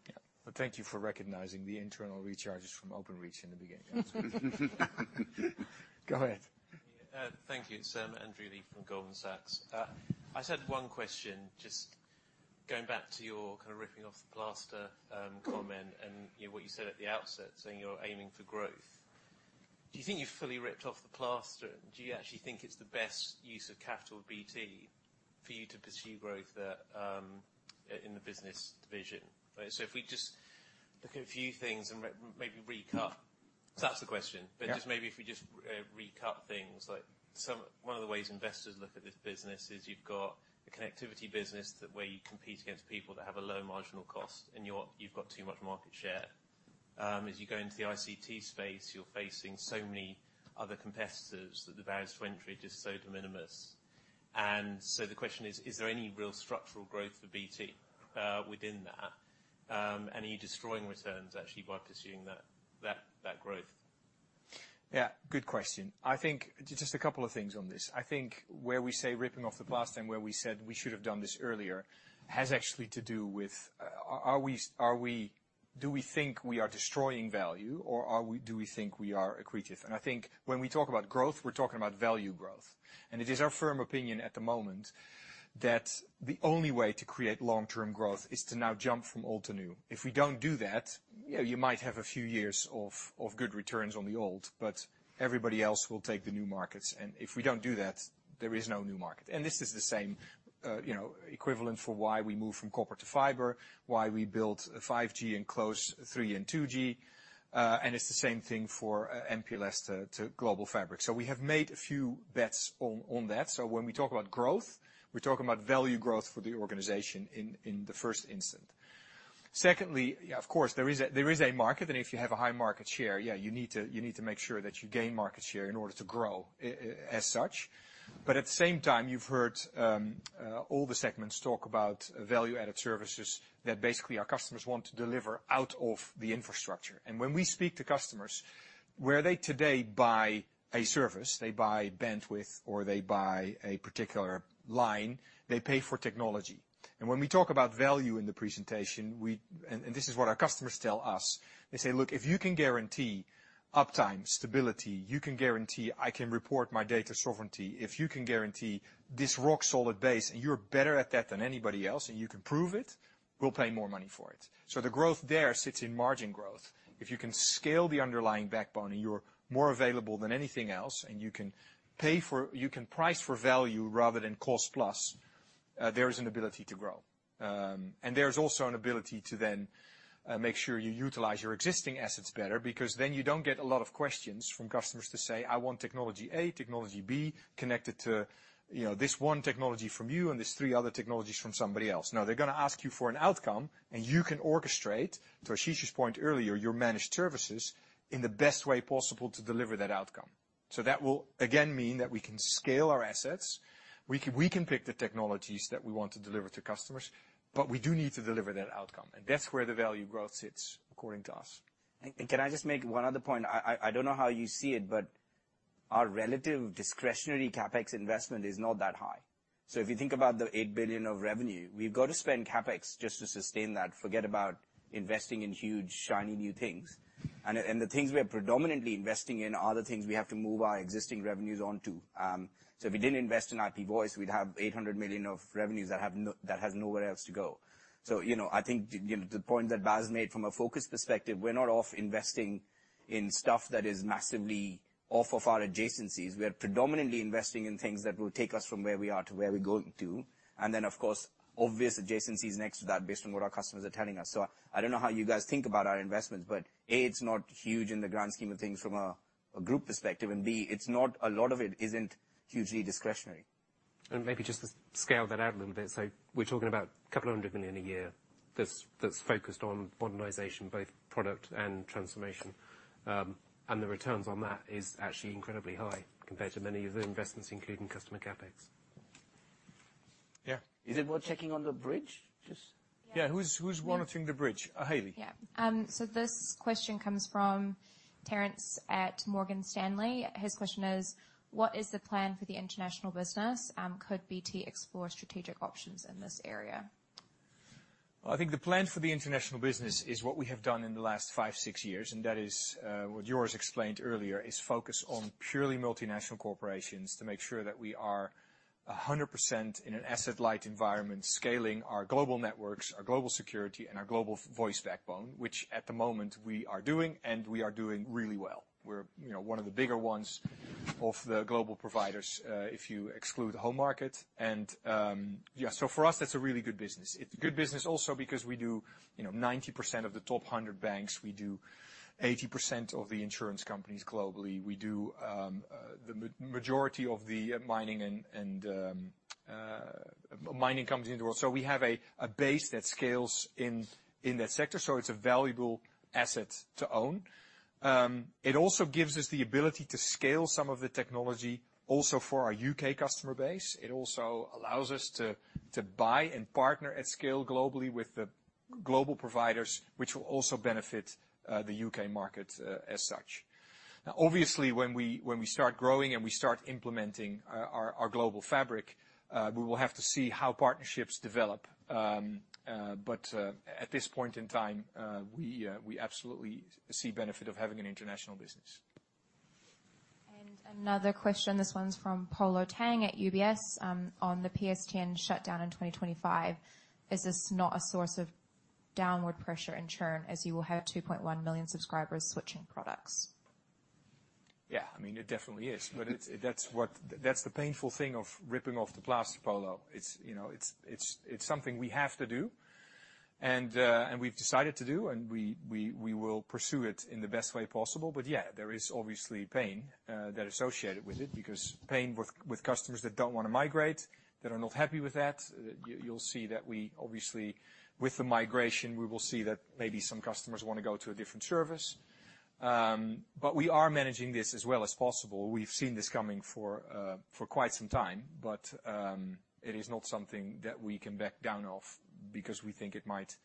Yeah. But thank you for recognizing the internal recharges from Openreach in the beginning. Go ahead. Thank you, sir. I'm Andrew Lee from Goldman Sachs. I just had one question. Just going back to your kind of ripping off the plaster, comment, and, you know, what you said at the outset, saying you're aiming for growth. Do you think you've fully ripped off the plaster? Do you actually think it's the best use of capital at BT for you to pursue growth there, in the business division? So if we just look at a few things and maybe recut. So that's the question. Yeah. But just maybe if we just recut things like some-- One of the ways investors look at this business is you've got a connectivity business that where you compete against people that have a low marginal cost, and you've got too much market share. As you go into the ICT space, you're facing so many other competitors that the barriers to entry are just so de minimis. And so the question is: Is there any real structural growth for BT within that? And are you destroying returns actually by pursuing that growth? Yeah, good question. I think just a couple of things on this. I think where we say ripping off the plastic, where we said we should have done this earlier, has actually to do with, are we, do we think we are destroying value or are we, do we think we are accretive? And I think when we talk about growth, we're talking about value growth. And it is our firm opinion at the moment that the only way to create long-term growth is to now jump from old to new. If we don't do that, you know, you might have a few years of good returns on the old, but everybody else will take the new markets. And if we don't do that, there is no new market. This is the same, you know, equivalent for why we moved from copper to fiber, why we built 5G and closed 3G and 2G, and it's the same thing for MPLS to Global Fabric. So we have made a few bets on that. So when we talk about growth, we're talking about value growth for the organization in the first instance. Secondly, of course, there is a market, and if you have a high market share, yeah, you need to make sure that you gain market share in order to grow, as such. But at the same time, you've heard all the segments talk about value-added services that basically our customers want to deliver out of the infrastructure. When we speak to customers, where they today buy a service, they buy bandwidth, or they buy a particular line, they pay for technology. And when we talk about value in the presentation, we-- And this is what our customers tell us. They say: Look, if you can guarantee uptime, stability, you can guarantee I can report my data sovereignty, if you can guarantee this rock-solid base, and you're better at that than anybody else, and you can prove it, we'll pay more money for it. So the growth there sits in margin growth. If you can scale the underlying backbone, and you're more available than anything else, and you can price for value rather than cost plus, there is an ability to grow. And there's also an ability to then make sure you utilize your existing assets better, because then you don't get a lot of questions from customers to say, "I want technology A, technology B, connected to, you know, this one technology from you and these three other technologies from somebody else." Now, they're gonna ask you for an outcome, and you can orchestrate, to Ashish's point earlier, your managed services in the best way possible to deliver that outcome. So that will again mean that we can scale our assets, we can, we can pick the technologies that we want to deliver to customers, but we do need to deliver that outcome, and that's where the value growth sits, according to us. And can I just make one other point? I don't know how you see it, but our relative discretionary CapEx investment is not that high. So if you think about the 8 billion of revenue, we've got to spend CapEx just to sustain that, forget about investing in huge, shiny new things. And the things we are predominantly investing in are the things we have to move our existing revenues onto. So if we didn't invest in IP Voice, we'd have 800 million of revenues that have nowhere else to go. So, you know, I think, you know, the point that Bas made from a focus perspective, we're not off investing in stuff that is massively off of our adjacencies. We are predominantly investing in things that will take us from where we are to where we're going to. And then, of course, obvious adjacencies next to that, based on what our customers are telling us. So I don't know how you guys think about our investments, but, A, it's not huge in the grand scheme of things from a group perspective, and, B, it's not, a lot of it isn't hugely discretionary. Maybe just to scale that out a little bit. So we're talking about couple of million a year that's focused on modernization, both product and transformation. And the returns on that is actually incredibly high compared to many of the investments, including customer CapEx. Yeah. Is it worth checking on the bridge? Just-- Yeah, who's monitoring the bridge? Hayley? Yeah. So this question comes from Terence at Morgan Stanley. His question is: What is the plan for the international business, and could BT explore strategic options in this area? Well, I think the plan for the international business is what we have done in the last five, six years, and that is what Joris explained earlier, is focus on purely multinational corporations to make sure that we are 100% in an asset-light environment, scaling our global networks, our global security, and our global voice backbone, which at the moment we are doing, and we are doing really well. We're, you know, one of the bigger ones of the global providers, if you exclude the home market. And, yeah, so for us, that's a really good business. It's a good business also because we do, you know, 90% of the top 100 banks, we do 80% of the insurance companies globally, we do the majority of the mining companies in the world. So we have a base that scales in that sector, so it's a valuable asset to own. It also gives us the ability to scale some of the technology also for our U.K. customer base. It also allows us to buy and partner at scale globally with the global providers, which will also benefit the U.K. market as such. Now, obviously, when we start growing and we start implementing our Global Fabric, we will have to see how partnerships develop. But at this point in time, we absolutely see benefit of having an international business. Another question, this one's from Polo Tang at UBS, on the PSTN shutdown in 2025. Is this not a source of downward pressure and churn, as you will have 2.1 million subscribers switching products? Yeah, I mean, it definitely is. But it's that what, that's the painful thing of ripping off the plaster, Polo. It's, you know, it's something we have to do, and we've decided to do, and we will pursue it in the best way possible. But yeah, there is obviously pain that are associated with it, because pain with customers that don't want to migrate, that are not happy with that. You, you'll see that we obviously, with the migration, we will see that maybe some customers want to go to a different service. But we are managing this as well as possible. We've seen this coming for quite some time, but it is not something that we can back down off, because we think it might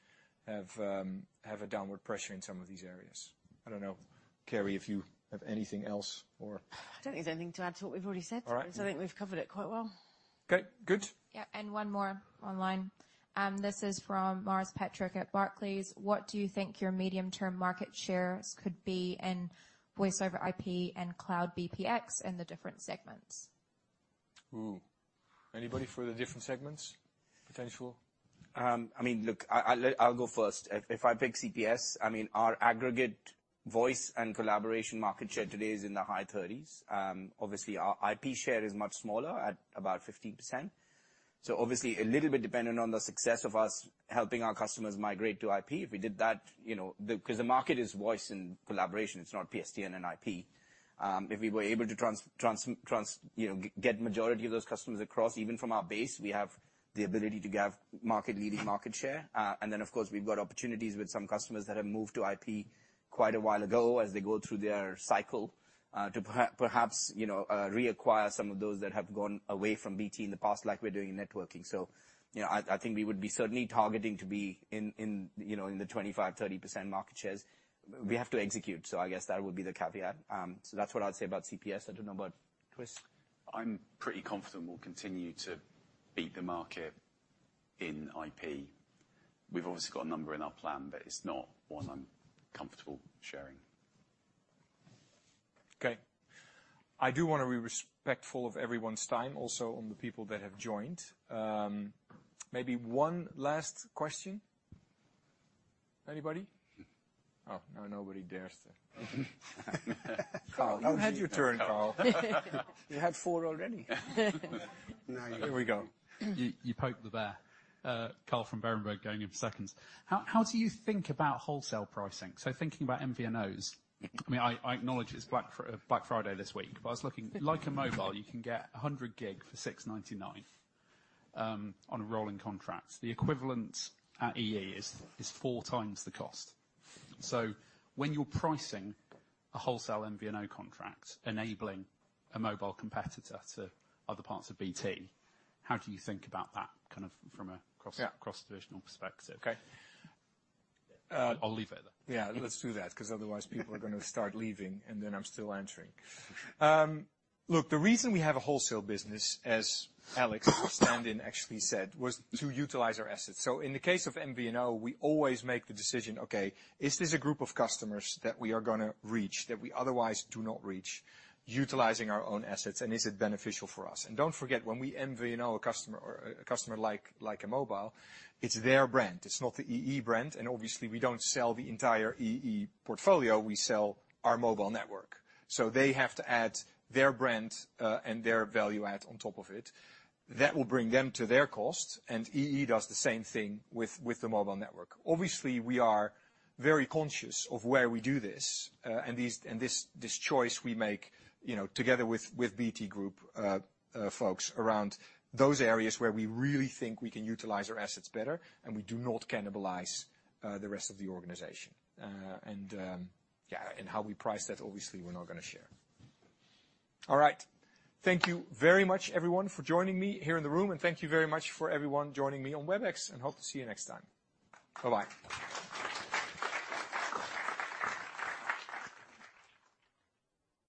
have a downward pressure in some of these areas. I don't know, Kerry, if you have anything else or? I don't think there's anything to add to what we've already said. All right. I think we've covered it quite well. Okay, good. Yeah, and one more online. This is from Maurice Patrick at Barclays. What do you think your medium-term market shares could be in voice over IP and Cloud PBX in the different segments? Ooh, anybody for the different segments, potential? I mean, look, I'll go first. If I pick CPS, I mean, our aggregate voice and collaboration market share today is in the high 30s. Obviously, our IP share is much smaller, at about 15%. So obviously, a little bit dependent on the success of us helping our customers migrate to IP. If we did that, you know, because the market is voice and collaboration, it's not PSTN and IP. If we were able to, you know, get majority of those customers across, even from our base, we have the ability to have market-leading market share. And then, of course, we've got opportunities with some customers that have moved to IP quite a while ago as they go through their cycle, to perhaps, you know, reacquire some of those that have gone away from BT in the past, like we're doing in networking. So, you know, I, I think we would be certainly targeting to be in, in, you know, in the 25%-30% market shares. We have to execute, so I guess that would be the caveat. So that's what I'd say about CPS. I don't know about Chris. I'm pretty confident we'll continue to beat the market in IP. We've obviously got a number in our plan, but it's not one I'm comfortable sharing. Okay. I do want to be respectful of everyone's time, also on the people that have joined. Maybe one last question. Anybody? Oh, now nobody dares to. Carl, you had your turn, Carl. You had four already. Here we go. You, you poked the bear. Carl from Berenberg, going in for seconds. How do you think about Wholesale pricing? So thinking about MVNOs, I mean, I acknowledge it's Black Friday this week, but I was looking. Lycamobile, you can get 100 gig for 6.99 on a rolling contract. The equivalent at EE is 4x the cost. So when you're pricing a Wholesale MVNO contract, enabling a mobile competitor to other parts of BT, how do you think about that, kind of from a cross-cross-divisional perspective? Okay. I'll leave it there. Yeah, let's do that, 'cause otherwise people are gonna start leaving, and then I'm still answering. Look, the reason we have a Wholesale business, as Alex, our stand-in, actually said, was to utilize our assets. So in the case of MVNO, we always make the decision, okay, is this a group of customers that we are gonna reach, that we otherwise do not reach, utilizing our own assets, and is it beneficial for us? And don't forget, when we MVNO a customer or a customer like Lycamobile, it's their brand. It's not the EE brand, and obviously, we don't sell the entire EE portfolio. We sell our mobile network. So they have to add their brand, and their value add on top of it. That will bring them to their cost, and EE does the same thing with the mobile network. Obviously, we are very conscious of where we do this, and this choice we make, you know, together with BT Group, folks around those areas where we really think we can utilize our assets better, and we do not cannibalize the rest of the organization. And how we price that, obviously, we're not gonna share. All right. Thank you very much, everyone, for joining me here in the room, and thank you very much for everyone joining me on Webex, and hope to see you next time. Bye-bye.